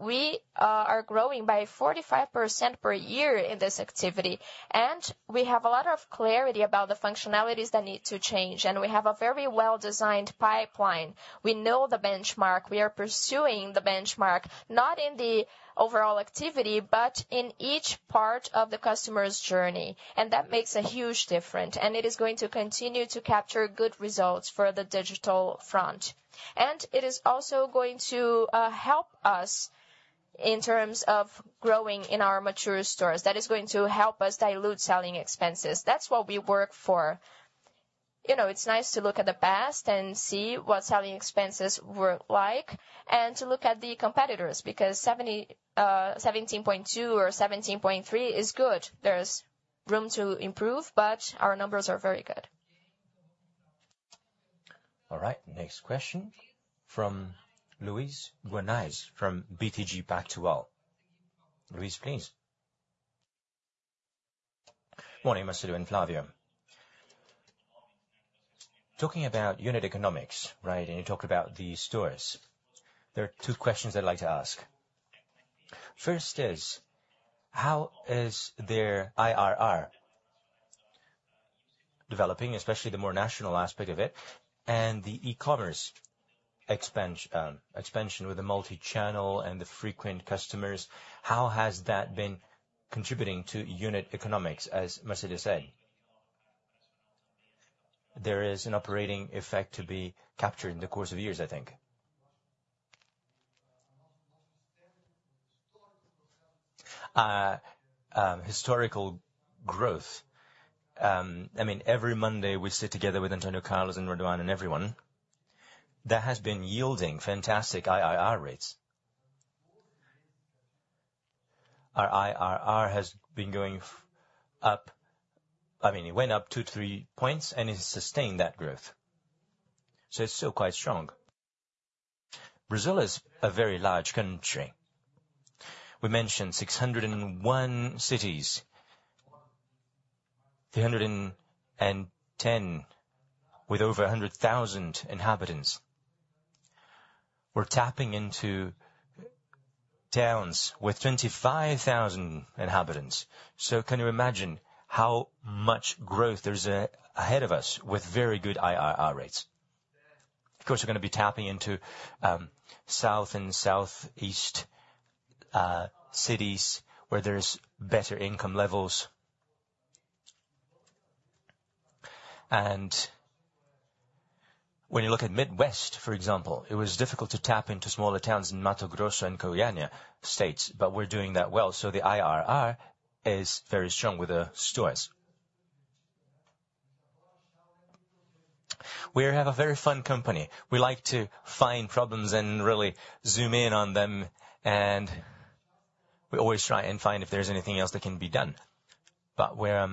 we are growing by 45% per year in this activity, and we have a lot of clarity about the functionalities that need to change, and we have a very well-designed pipeline. We know the benchmark. We are pursuing the benchmark, not in the overall activity, but in each part of the customer's journey, and that makes a huge difference, and it is going to continue to capture good results for the digital front. And it is also going to help us in terms of growing in our mature stores, that is going to help us dilute selling expenses. That's what we work for. You know, it's nice to look at the past and see what selling expenses were like, and to look at the competitors, because 17.2 or 17.3 is good. There's room to improve, but our numbers are very good. All right, next question from Luiz Guanais, from BTG Pactual. Luiz, please. Morning, Marcílio and Flávio. Talking about unit economics, right, and you talk about the stores. There are two questions I'd like to ask. First is: how is their IRR developing, especially the more national aspect of it, and the e-commerce expansion with the multi-channel and the frequent customers, how has that been contributing to unit economics, as Marcílio said? There is an operating effect to be captured in the course of years, I think. Historical growth, I mean, every Monday, we sit together with Antônio Carlos and Renato Raduan and everyone. That has been yielding fantastic IRR rates. Our IRR has been going up. I mean, it went up 2-3 points, and it's sustained that growth, so it's still quite strong. Brazil is a very large country. We mentioned 601 cities, 310 with over 100,000 inhabitants. We're tapping into towns with 25,000 inhabitants. So can you imagine how much growth there's ahead of us with very good IRR rates? Of course, we're gonna be tapping into South and Southeast cities where there's better income levels. And when you look at Midwest, for example, it was difficult to tap into smaller towns in Mato Grosso and Goiânia states, but we're doing that well, so the IRR is very strong with the stores. We have a very fun company. We like to find problems and really zoom in on them, and we always try and find if there's anything else that can be done. But we're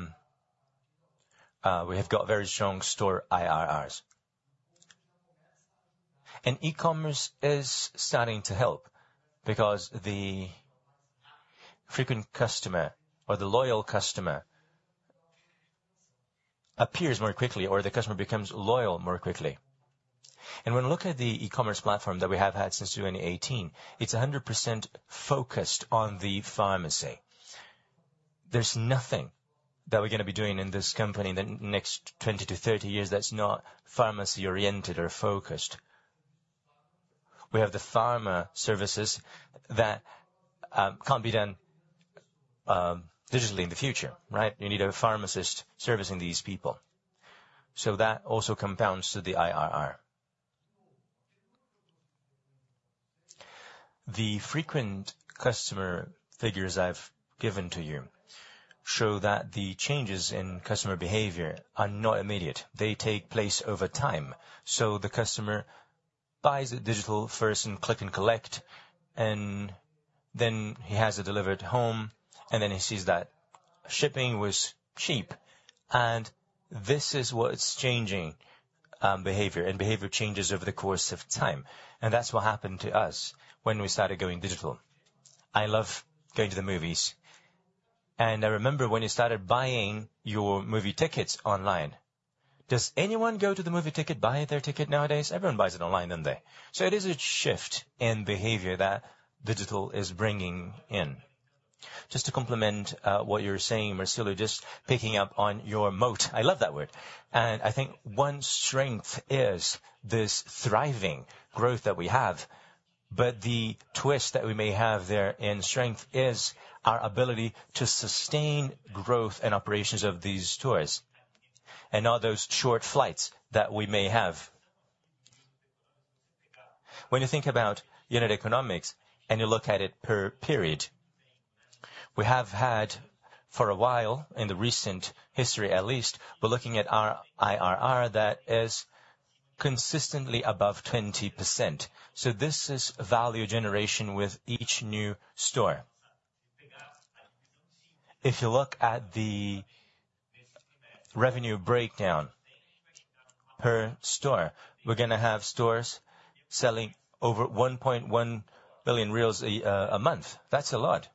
we have got very strong store IRRs. E-commerce is starting to help because the frequent customer or the loyal customer appears more quickly, or the customer becomes loyal more quickly. When we look at the e-commerce platform that we have had since 2018, it's 100% focused on the pharmacy. There's nothing that we're gonna be doing in this company in the next 20-30 years that's not pharmacy oriented or focused. We have the pharma services that can't be done digitally in the future, right? You need a pharmacist servicing these people. So that also compounds to the IRR. The frequent customer figures I've given to you show that the changes in customer behavior are not immediate. They take place over time. So the customer buys it digital first and Click and Collect, and then he has it delivered home, and then he sees that shipping was cheap, and this is what's changing behavior, and behavior changes over the course of time. And that's what happened to us when we started going digital. I love going to the movies, and I remember when you started buying your movie tickets online. Does anyone go to the movie ticket, buy their ticket nowadays? Everyone buys it online, don't they? So it is a shift in behavior that digital is bringing in. Just to complement, what you're saying, Marcílio, just picking up on your moat. I love that word, and I think one strength is this thriving growth that we have, but the twist that we may have there in strength is our ability to sustain growth and operations of these stores and all those shortfalls that we may have. When you think about unit economics, and you look at it per period, we have had for a while, in the recent history at least, we're looking at our IRR that is consistently above 20%. So this is value generation with each new store. If you look at the revenue breakdown per store, we're gonna have stores selling over 1.1 billion a month. That's a lot.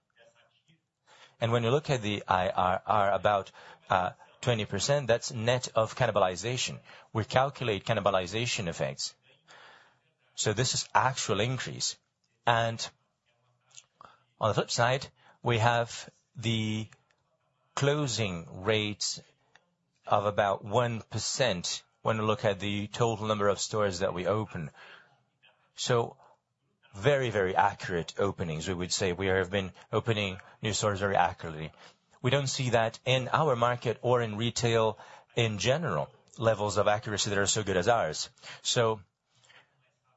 And when you look at the IRR, about 20%, that's net of cannibalization. We calculate cannibalization effects. So this is actual increase. And on the flip side, we have the closing rates of about 1% when we look at the total number of stores that we open. So very, very accurate openings. We would say we have been opening new stores very accurately. We don't see that in our market or in retail, in general, levels of accuracy that are so good as ours. So,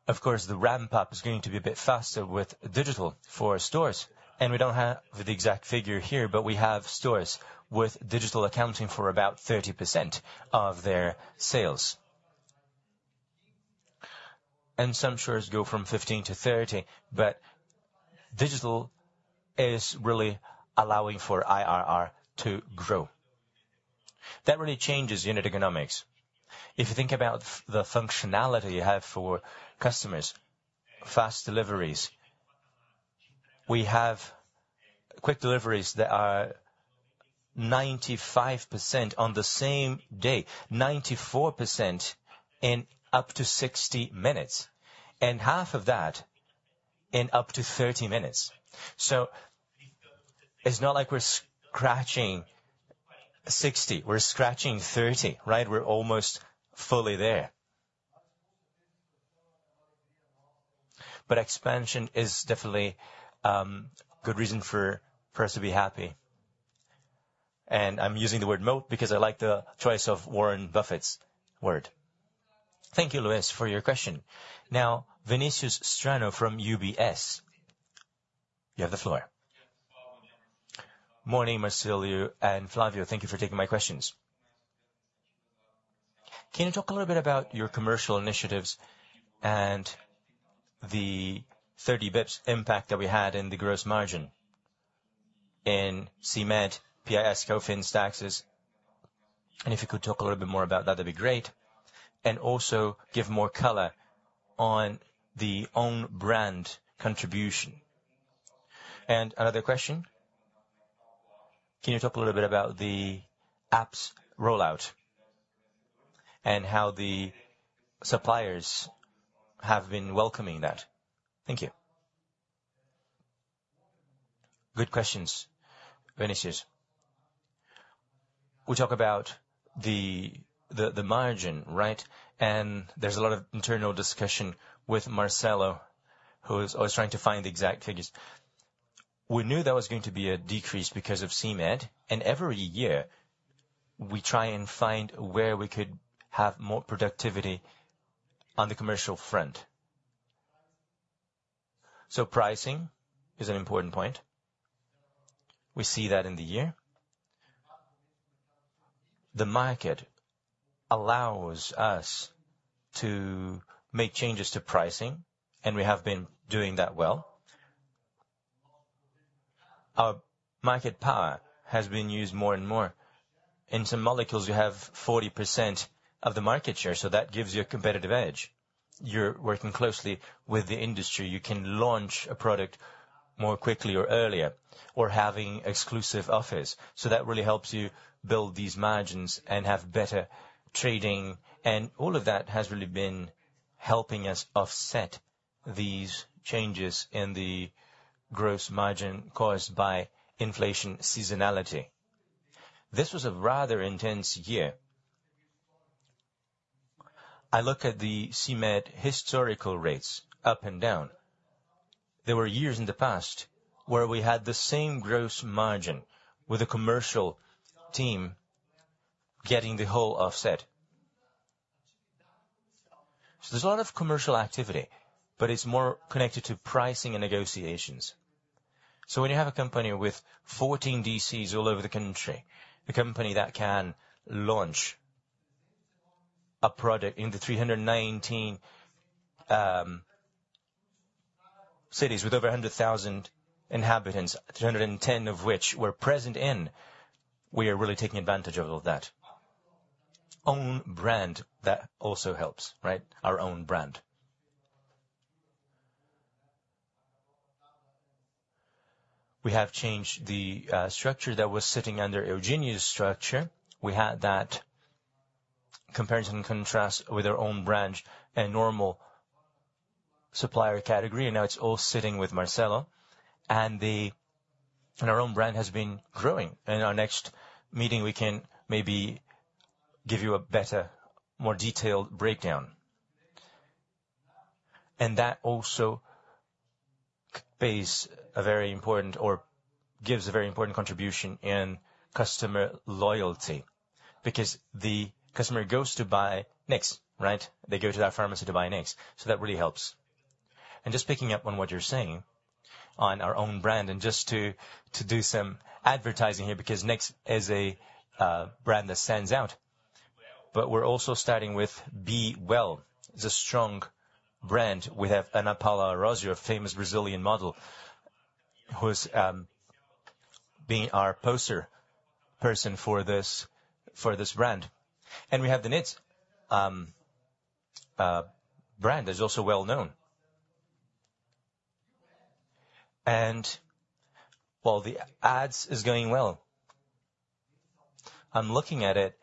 of course, the ramp-up is going to be a bit faster with digital for stores, and we don't have the exact figure here, but we have stores with digital accounting for about 30% of their sales. And some stores go from 15% to 30%, but digital is really allowing for IRR to grow. That really changes unit economics. If you think about the functionality you have for customers, fast deliveries. We have quick deliveries that are 95% on the same day, 94% in up to 60 minutes, and half of that in up to 30 minutes. So it's not like we're scratching 60, we're scratching 30, right? We're almost fully there. But expansion is definitely good reason for, for us to be happy. And I'm using the word moat because I like the choice of Warren Buffett's word. Thank you, Luiz, for your question. Now, Vinicius Strano from UBS, you have the floor. Morning, Marcílio and Flávio. Thank you for taking my questions. Can you talk a little bit about your commercial initiatives and the 30 basis points impact that we had in the gross margin in CMED, PIS/COFINS taxes? And if you could talk a little bit more about that, that'd be great. And also give more color on the own brand contribution. Another question: can you talk a little bit about the app's rollout and how the suppliers have been welcoming that? Thank you. Good questions, Vinicius. We talk about the margin, right? There's a lot of internal discussion with Marcílio, who is always trying to find the exact figures. We knew there was going to be a decrease because of CMED, and every year, we try and find where we could have more productivity on the commercial front. Pricing is an important point. We see that in the year. The market allows us to make changes to pricing, and we have been doing that well. Our market power has been used more and more. In some molecules, you have 40% of the market share, so that gives you a competitive edge. You're working closely with the industry. You can launch a product more quickly or earlier, or having exclusive offers. So that really helps you build these margins and have better trading, and all of that has really been helping us offset these changes in the gross margin caused by inflation seasonality. This was a rather intense year. I look at the CMED historical rates up and down. There were years in the past where we had the same gross margin with a commercial team getting the whole offset. So there's a lot of commercial activity, but it's more connected to pricing and negotiations. So when you have a company with 14 DCs all over the country, a company that can launch a product in the 319 cities with over 100,000 inhabitants, 310 of which we're present in, we are really taking advantage of all that. Own brand, that also helps, right? Our own brand. We have changed the structure that was sitting under Eugenio's structure. We had that comparison and contrast with our own brand and normal supplier category, and now it's all sitting with Marcílio, and our own brand has been growing. In our next meeting, we can maybe give you a better, more detailed breakdown. And that also plays a very important or gives a very important contribution in customer loyalty, because the customer goes to buy Nex, right? They go to that pharmacy to buy Nex, so that really helps. And just picking up on what you're saying on our own brand, and just to do some advertising here, because Nex is a brand that stands out, but we're also starting with B-Well. It's a strong brand. We have Ana Paula Arósio, a famous Brazilian model, who is being our poster person for this, for this brand. We have the Natz brand, that's also well known. Well, the Ads is going well. I'm looking at it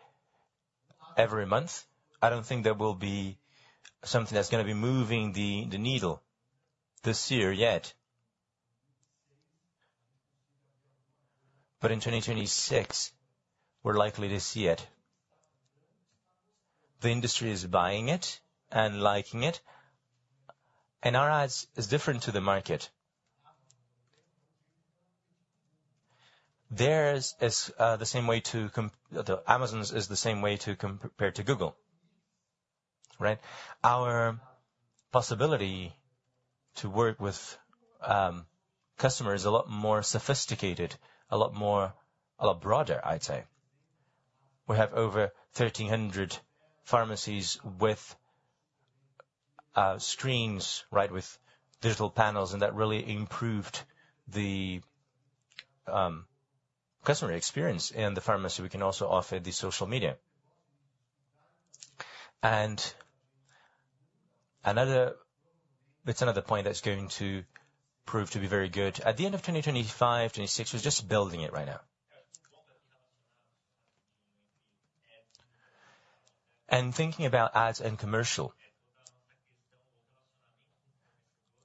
every month. I don't think there will be something that's gonna be moving the needle this year yet. But in 2026, we're likely to see it. The industry is buying it and liking it, and our Ads is different to the market. Theirs is the same way to communicate compared to Google, right? Our possibility to work with customers is a lot more sophisticated, a lot more, a lot broader, I'd say. We have over 1,300 pharmacies with screens, right, with digital panels, and that really improved the customer experience in the pharmacy. We can also offer the social media. And another-- that's another point that's going to prove to be very good. At the end of 2025, 2026, we're just building it right now. And thinking about Ads and commercial,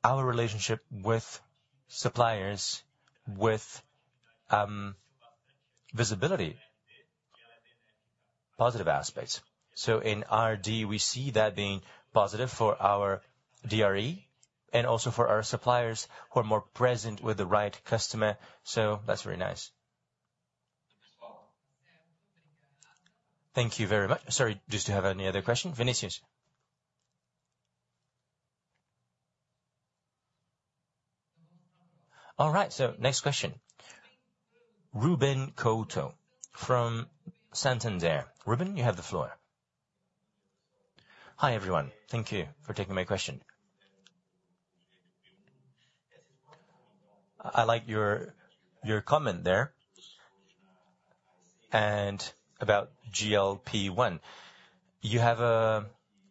our relationship with suppliers, with visibility, positive aspects. So in RD, we see that being positive for our DRE and also for our suppliers, who are more present with the right customer, so that's very nice. Thank you very much. Sorry, do you still have any other question? Vinicius? All right, so next question. Ruben Couto from Santander. Ruben, you have the floor. Hi, everyone. Thank you for taking my question. I like your comment there, and about GLP-1. You have a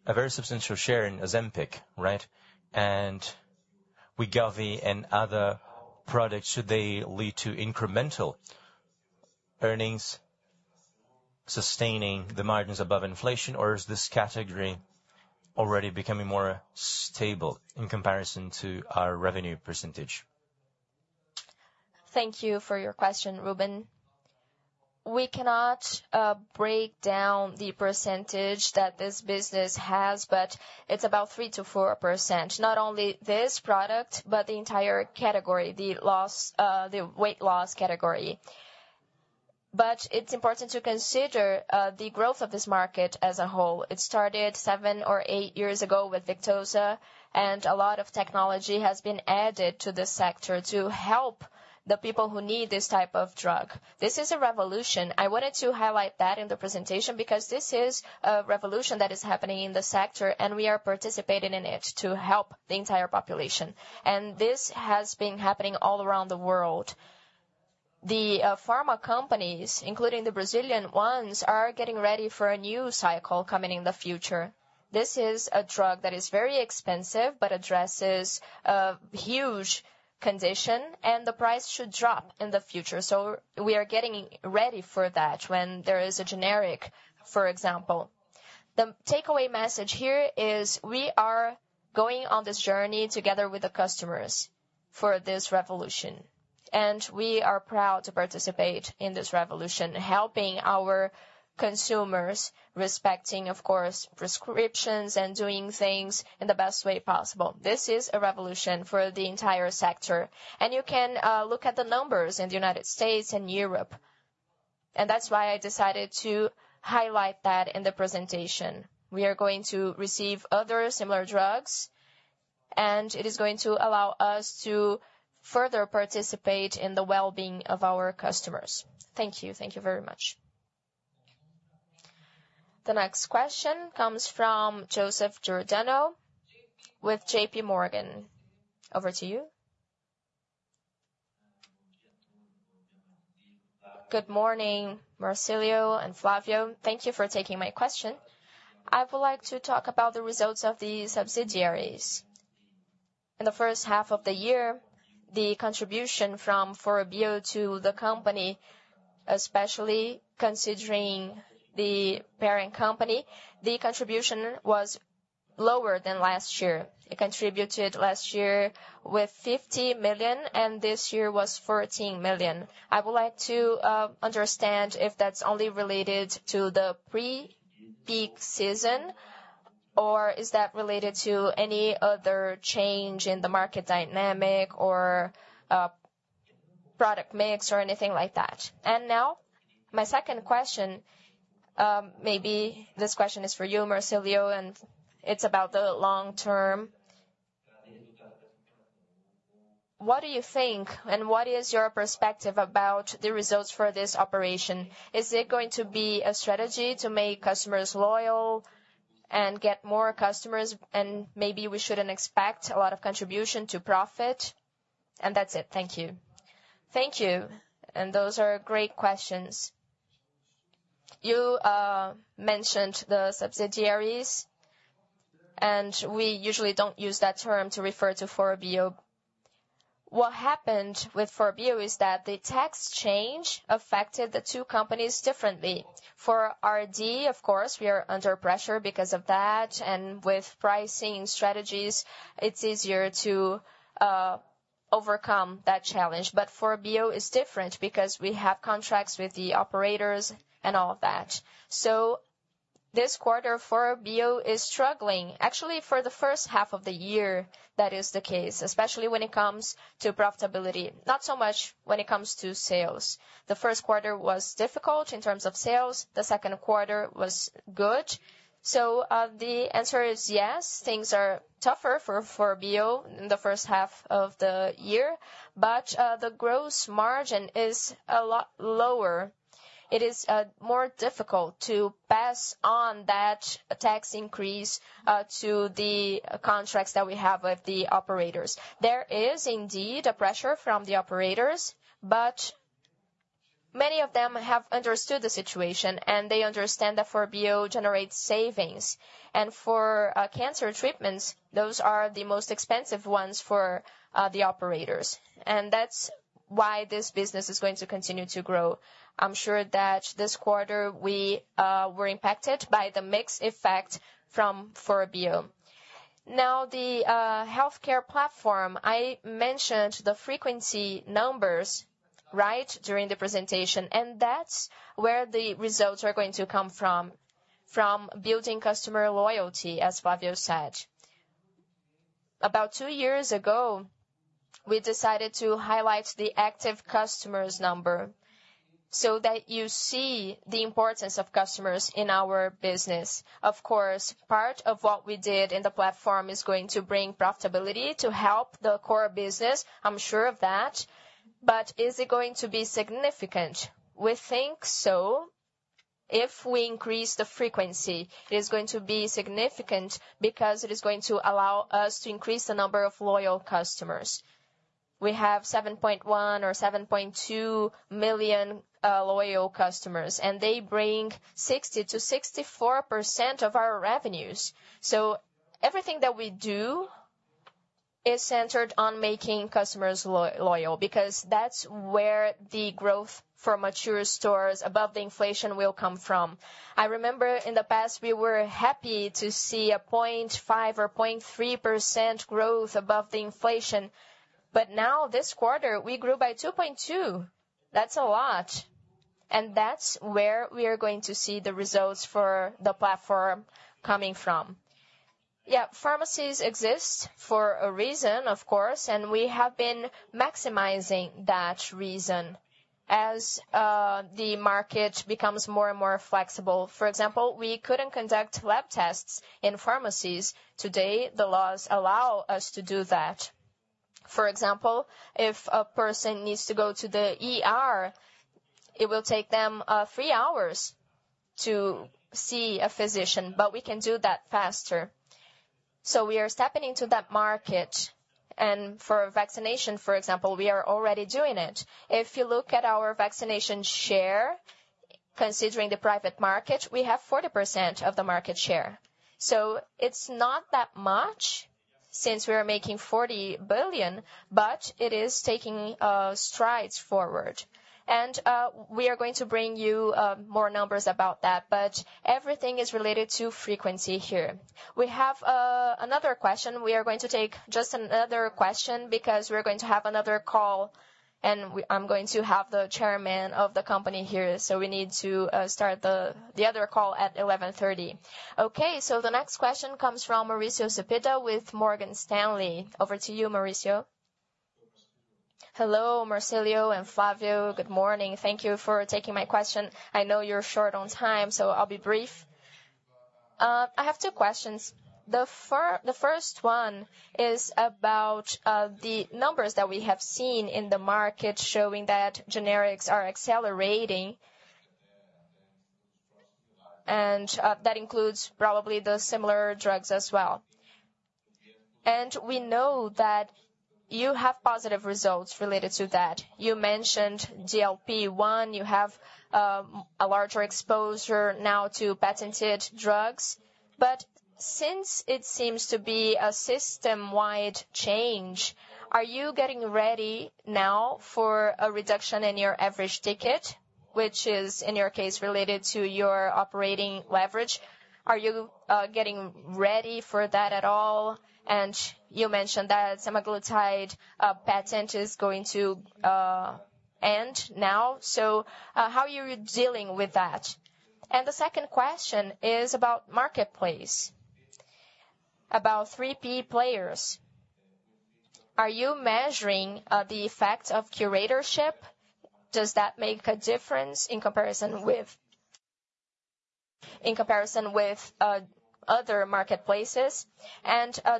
very substantial share in Ozempic, right? And Wegovy and other products, should they lead to incremental earnings sustaining the margins above inflation, or is this category already becoming more stable in comparison to your revenue percentage? Thank you for your question, Ruben. We cannot break down the percentage that this business has, but it's about 3%-4%. Not only this product, but the entire category, the loss, the weight loss category. But it's important to consider the growth of this market as a whole. It started 7 or 8 years ago with Victoza, and a lot of technology has been added to this sector to help the people who need this type of drug. This is a revolution. I wanted to highlight that in the presentation, because this is a revolution that is happening in the sector, and we are participating in it to help the entire population. And this has been happening all around the world. The pharma companies, including the Brazilian ones, are getting ready for a new cycle coming in the future. This is a drug that is very expensive, but addresses a huge condition, and the price should drop in the future. So we are getting ready for that when there is a generic, for example. The takeaway message here is we are going on this journey together with the customers for this revolution, and we are proud to participate in this revolution, helping our consumers, respecting, of course, prescriptions and doing things in the best way possible. This is a revolution for the entire sector, and you can look at the numbers in the United States and Europe, and that's why I decided to highlight that in the presentation. We are going to receive other similar drugs, and it is going to allow us to further participate in the well-being of our customers. Thank you. Thank you very much. The next question comes from Joseph Giordano with JPMorgan. Over to you. Good morning, Marcílio and Flávio. Thank you for taking my question. I would like to talk about the results of the subsidiaries. In the first half of the year, the contribution from 4Bio to the company, especially considering the parent company, the contribution was lower than last year. It contributed last year with 50 million, and this year was 14 million. I would like to understand if that's only related to the pre-peak season, or is that related to any other change in the market dynamic or product mix or anything like that? And now my second question, maybe this question is for you, Marcílio, and it's about the long term. What do you think, and what is your perspective about the results for this operation? Is it going to be a strategy to make customers loyal and get more customers, and maybe we shouldn't expect a lot of contribution to profit? That's it. Thank you. Thank you, and those are great questions. You mentioned the subsidiaries, and we usually don't use that term to refer to 4Bio. What happened with 4Bio is that the tax change affected the two companies differently. For RD, of course, we are under pressure because of that, and with pricing strategies, it's easier to overcome that challenge. But 4Bio is different because we have contracts with the operators and all that. So this quarter 4Bio is struggling. Actually, for the first half of the year, that is the case, especially when it comes to profitability, not so much when it comes to sales. The Q1 was difficult in terms of sales. The Q2 was good. So, the answer is yes, things are tougher for 4Bio in the first half of the year, but the gross margin is a lot lower. It is more difficult to pass on that tax increase to the contracts that we have with the operators. There is indeed a pressure from the operators, but many of them have understood the situation, and they understand that 4Bio generates savings. And for cancer treatments, those are the most expensive ones for the operators, and that's why this business is going to continue to grow. I'm sure that this quarter, we were impacted by the mix effect from 4Bio. Now, the healthcare platform, I mentioned the frequency numbers, right, during the presentation, and that's where the results are going to come from, from building customer loyalty, as Flavio said. About two years ago, we decided to highlight the active customers number so that you see the importance of customers in our business. Of course, part of what we did in the platform is going to bring profitability to help the core business. I'm sure of that. But is it going to be significant? We think so. If we increase the frequency, it is going to be significant because it is going to allow us to increase the number of loyal customers. We have 7.1 or 7.2 million loyal customers, and they bring 60%-64% of our revenues. So everything that we do is centered on making customers loyal, because that's where the growth for mature stores above the inflation will come from. I remember in the past, we were happy to see 0.5% or 0.3% growth above the inflation, but now this quarter, we grew by 2.2. That's a lot, and that's where we are going to see the results for the platform coming from. Yeah, pharmacies exist for a reason, of course, and we have been maximizing that reason as the market becomes more and more flexible. For example, we couldn't conduct lab tests in pharmacies. Today, the laws allow us to do that. For example, if a person needs to go to the ER, it will take them three hours to see a physician, but we can do that faster. So we are stepping into that market, and for vaccination, for example, we are already doing it. If you look at our vaccination share, considering the private market, we have 40% of the market share. So it's not that much since we are making 40 billion, but it is taking strides forward. And we are going to bring you more numbers about that, but everything is related to frequency here. We have another question. We are going to take just another question because we're going to have another call, and we -- I'm going to have the chairman of the company here, so we need to start the other call at 11:30 A.M. Okay, so the next question comes from Mauricio Cepeda with Morgan Stanley. Over to you, Mauricio. Hello, Marcílio and Flávio. Good morning. Thank you for taking my question. I know you're short on time, so I'll be brief. I have two questions. The first one is about the numbers that we have seen in the market showing that generics are accelerating, and that includes probably the similar drugs as well. And we know that you have positive results related to that. You mentioned GLP-1. You have a larger exposure now to patented drugs, but since it seems to be a system-wide change, are you getting ready now for a reduction in your average ticket, which is, in your case, related to your operating leverage? Are you getting ready for that at all? And you mentioned that semaglutide patent is going to end now, so how are you dealing with that? And the second question is about marketplace, about 3P players. Are you measuring the effect of curatorship? Does that make a difference in comparison with other marketplaces?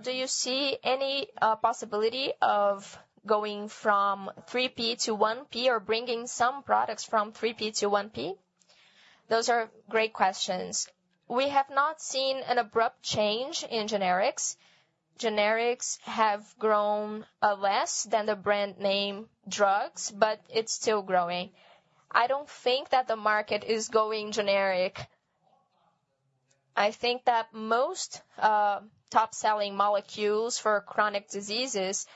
Do you see any possibility of going from 3P to 1P or bringing some products from 3P to 1P? Those are great questions. We have not seen an abrupt change in generics. Generics have grown less than the brand name drugs, but it's still growing. I don't think that the market is going generic. I think that most top-selling molecules for chronic diseases,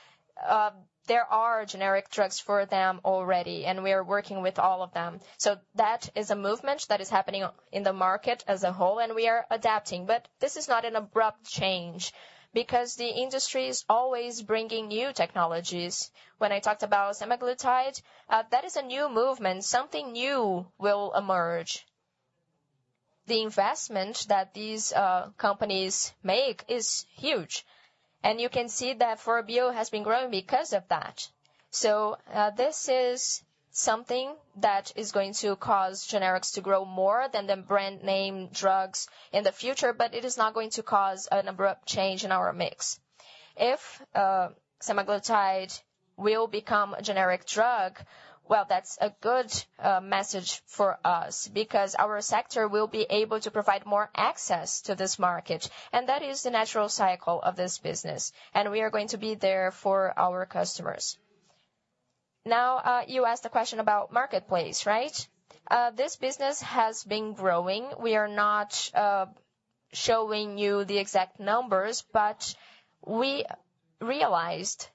there are generic drugs for them already, and we are working with all of them. So that is a movement that is happening in the market as a whole, and we are adapting. But this is not an abrupt change, because the industry is always bringing new technologies. When I talked about semaglutide, that is a new movement. Something new will emerge. The investment that these companies make is huge, and you can see that 4Bio has been growing because of that. So, this is something that is going to cause generics to grow more than the brand name drugs in the future, but it is not going to cause an abrupt change in our mix. If semaglutide will become a generic drug, well, that's a good message for us, because our sector will be able to provide more access to this market, and that is the natural cycle of this business, and we are going to be there for our customers. Now, you asked a question about marketplace, right? This business has been growing. We are not showing you the exact numbers, but we realized that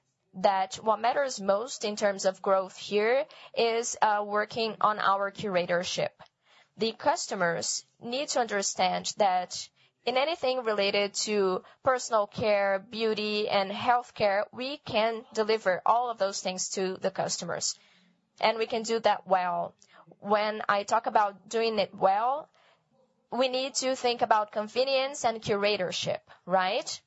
what matters most in terms of growth here is working on our curatorship. The customers need to understand that in anything related to personal care, beauty, and healthcare, we can deliver all of those things to the customers, and we can do that well. When I talk about doing it well, we need to think about convenience and curatorship, right?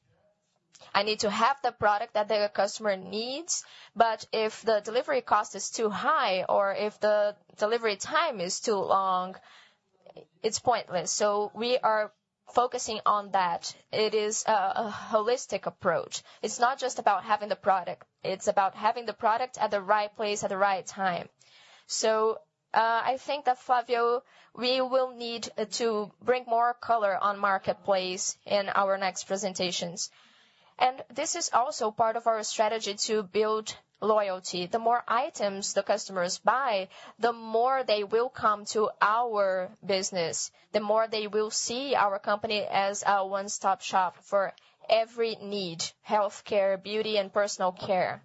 I need to have the product that the customer needs, but if the delivery cost is too high or if the delivery time is too long, it's pointless. So we are focusing on that. It is a holistic approach. It's not just about having the product, it's about having the product at the right place, at the right time. So, I think that, Flávio, we will need to bring more color on marketplace in our next presentations. And this is also part of our strategy to build loyalty. The more items the customers buy, the more they will come to our business, the more they will see our company as a one-stop shop for every need: healthcare, beauty, and personal care.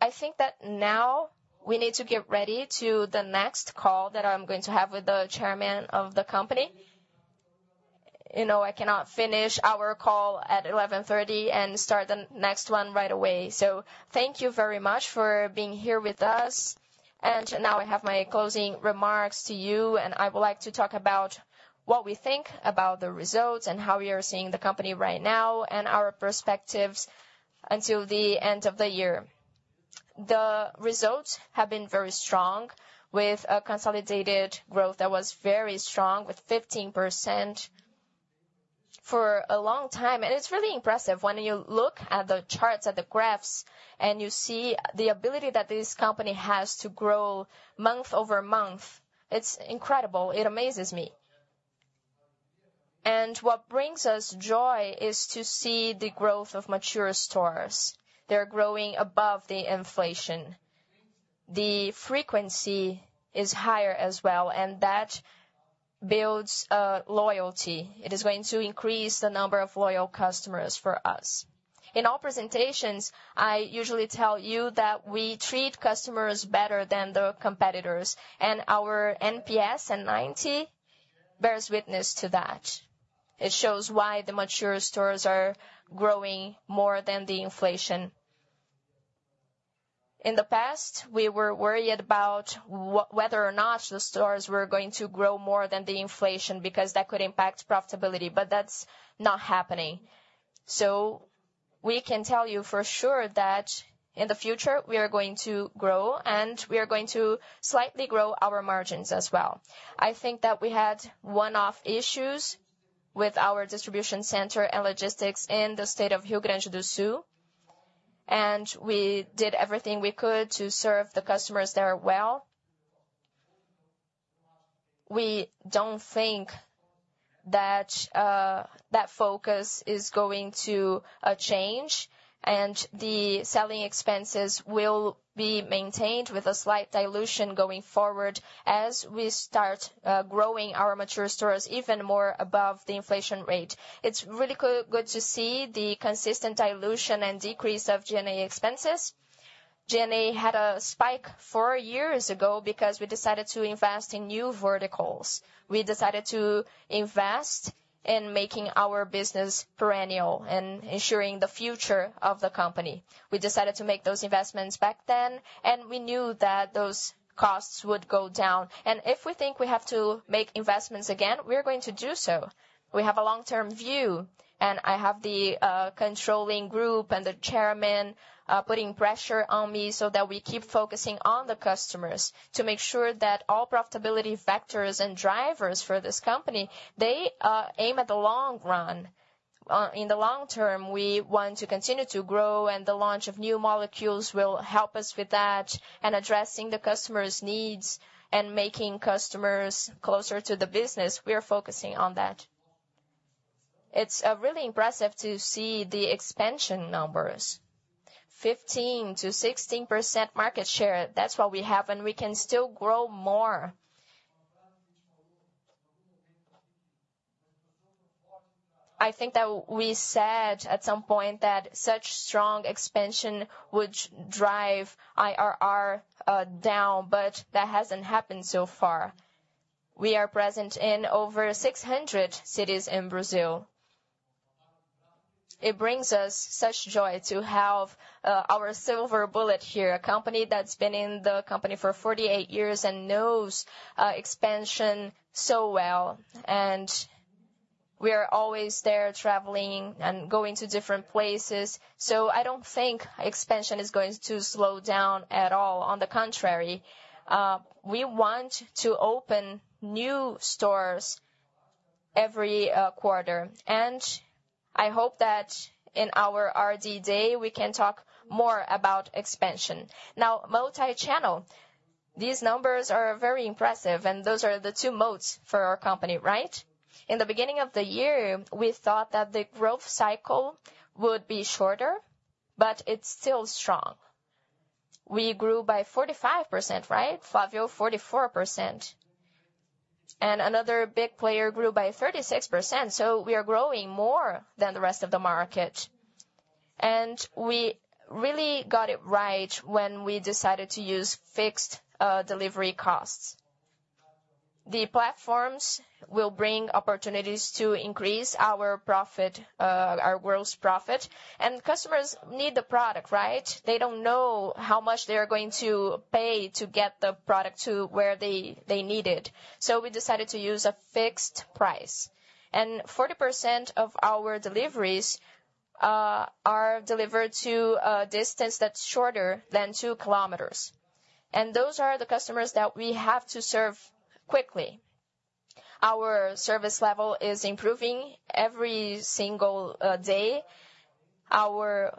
I think that now we need to get ready to the next call that I'm going to have with the chairman of the company. You know, I cannot finish our call at 11:30 and start the next one right away. So thank you very much for being here with us, and now I have my closing remarks to you, and I would like to talk about what we think about the results, and how we are seeing the company right now, and our perspectives until the end of the year. The results have been very strong, with a consolidated growth that was very strong, with 15% for a long time, and it's really impressive when you look at the charts, at the graphs, and you see the ability that this company has to grow month-over-month. It's incredible. It amazes me. What brings us joy is to see the growth of mature stores. They're growing above the inflation. The frequency is higher as well, and that builds loyalty. It is going to increase the number of loyal customers for us. In all presentations, I usually tell you that we treat customers better than the competitors, and our NPS and NET bears witness to that. It shows why the mature stores are growing more than the inflation. In the past, we were worried about whether or not the stores were going to grow more than the inflation, because that could impact profitability, but that's not happening. So we can tell you for sure that in the future we are going to grow, and we are going to slightly grow our margins as well. I think that we had one-off issues with our distribution center and logistics in the state of Rio Grande do Sul, and we did everything we could to serve the customers there well. We don't think that that focus is going to change, and the selling expenses will be maintained with a slight dilution going forward as we start growing our mature stores even more above the inflation rate. It's really good to see the consistent dilution and decrease of G&A expenses. G&A had a spike four years ago because we decided to invest in new verticals. We decided to invest in making our business perennial and ensuring the future of the company. We decided to make those investments back then, and we knew that those costs would go down. And if we think we have to make investments again, we are going to do so. We have a long-term view, and I have the, controlling group and the chairman, putting pressure on me so that we keep focusing on the customers to make sure that all profitability vectors and drivers for this company, they, aim at the long run. In the long term, we want to continue to grow, and the launch of new molecules will help us with that, and addressing the customers' needs and making customers closer to the business, we are focusing on that. It's really impressive to see the expansion numbers. 15%-16% market share, that's what we have, and we can still grow more. I think that we said at some point that such strong expansion would drive IRR down, but that hasn't happened so far. We are present in over 600 cities in Brazil. It brings us such joy to have our silver bullet here, a company that's been in the company for 48 years and knows expansion so well. And we are always there traveling and going to different places. So I don't think expansion is going to slow down at all. On the contrary, we want to open new stores every quarter. And I hope that in our RD Day, we can talk more about expansion. Now, multi-channel, these numbers are very impressive, and those are the two moats for our company, right? In the beginning of the year, we thought that the growth cycle would be shorter, but it's still strong. We grew by 45%, right, Flávio? 44%. And another big player grew by 36%, so we are growing more than the rest of the market. And we really got it right when we decided to use fixed delivery costs. The platforms will bring opportunities to increase our profit, our gross profit. And customers need the product, right? They don't know how much they are going to pay to get the product to where they, they need it. So we decided to use a fixed price. Forty percent of our deliveries are delivered to a distance that's shorter than two kilometers, and those are the customers that we have to serve quickly. Our service level is improving every single day. Our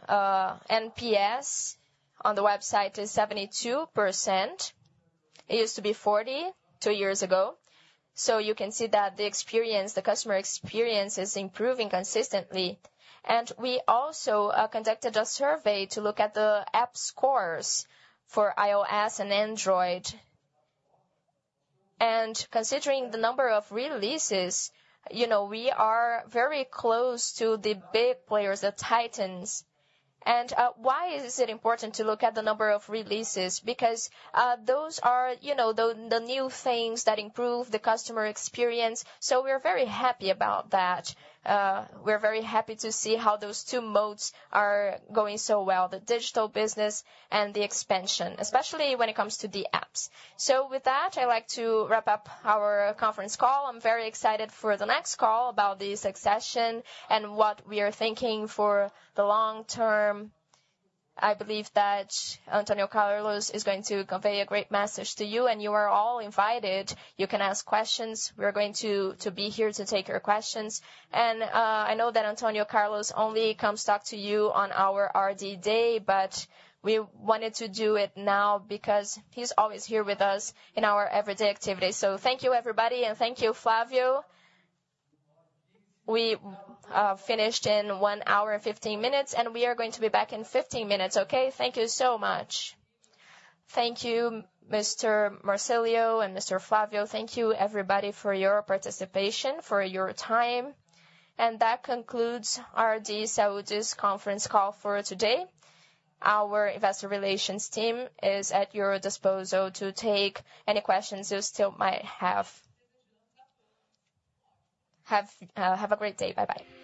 NPS on the website is 72%. It used to be 40, two years ago. So you can see that the experience, the customer experience, is improving consistently. We also conducted a survey to look at the app scores for iOS and Android. Considering the number of releases, you know, we are very close to the big players, the titans. Why is it important to look at the number of releases? Because those are, you know, the new things that improve the customer experience. So we're very happy about that. We're very happy to see how those two moats are going so well, the digital business and the expansion, especially when it comes to the apps. So with that, I'd like to wrap up our conference call. I'm very excited for the next call about the succession and what we are thinking for the long term. I believe that Antônio Carlos is going to convey a great message to you, and you are all invited. You can ask questions. We're going to be here to take your questions. And, I know that Antônio Carlos only comes talk to you on our RD Day, but we wanted to do it now because he's always here with us in our everyday activities. So thank you, everybody, and thank you, Flávio. We finished in 1 hour and 15 minutes, and we are going to be back in 15 minutes, okay? Thank you so much. Thank you, Mr. Marcílio and Mr. Flávio. Thank you, everybody, for your participation, for your time. And that concludes RD Saúde's conference call for today. Our investor relations team is at your disposal to take any questions you still might have. Have a great day. Bye-bye.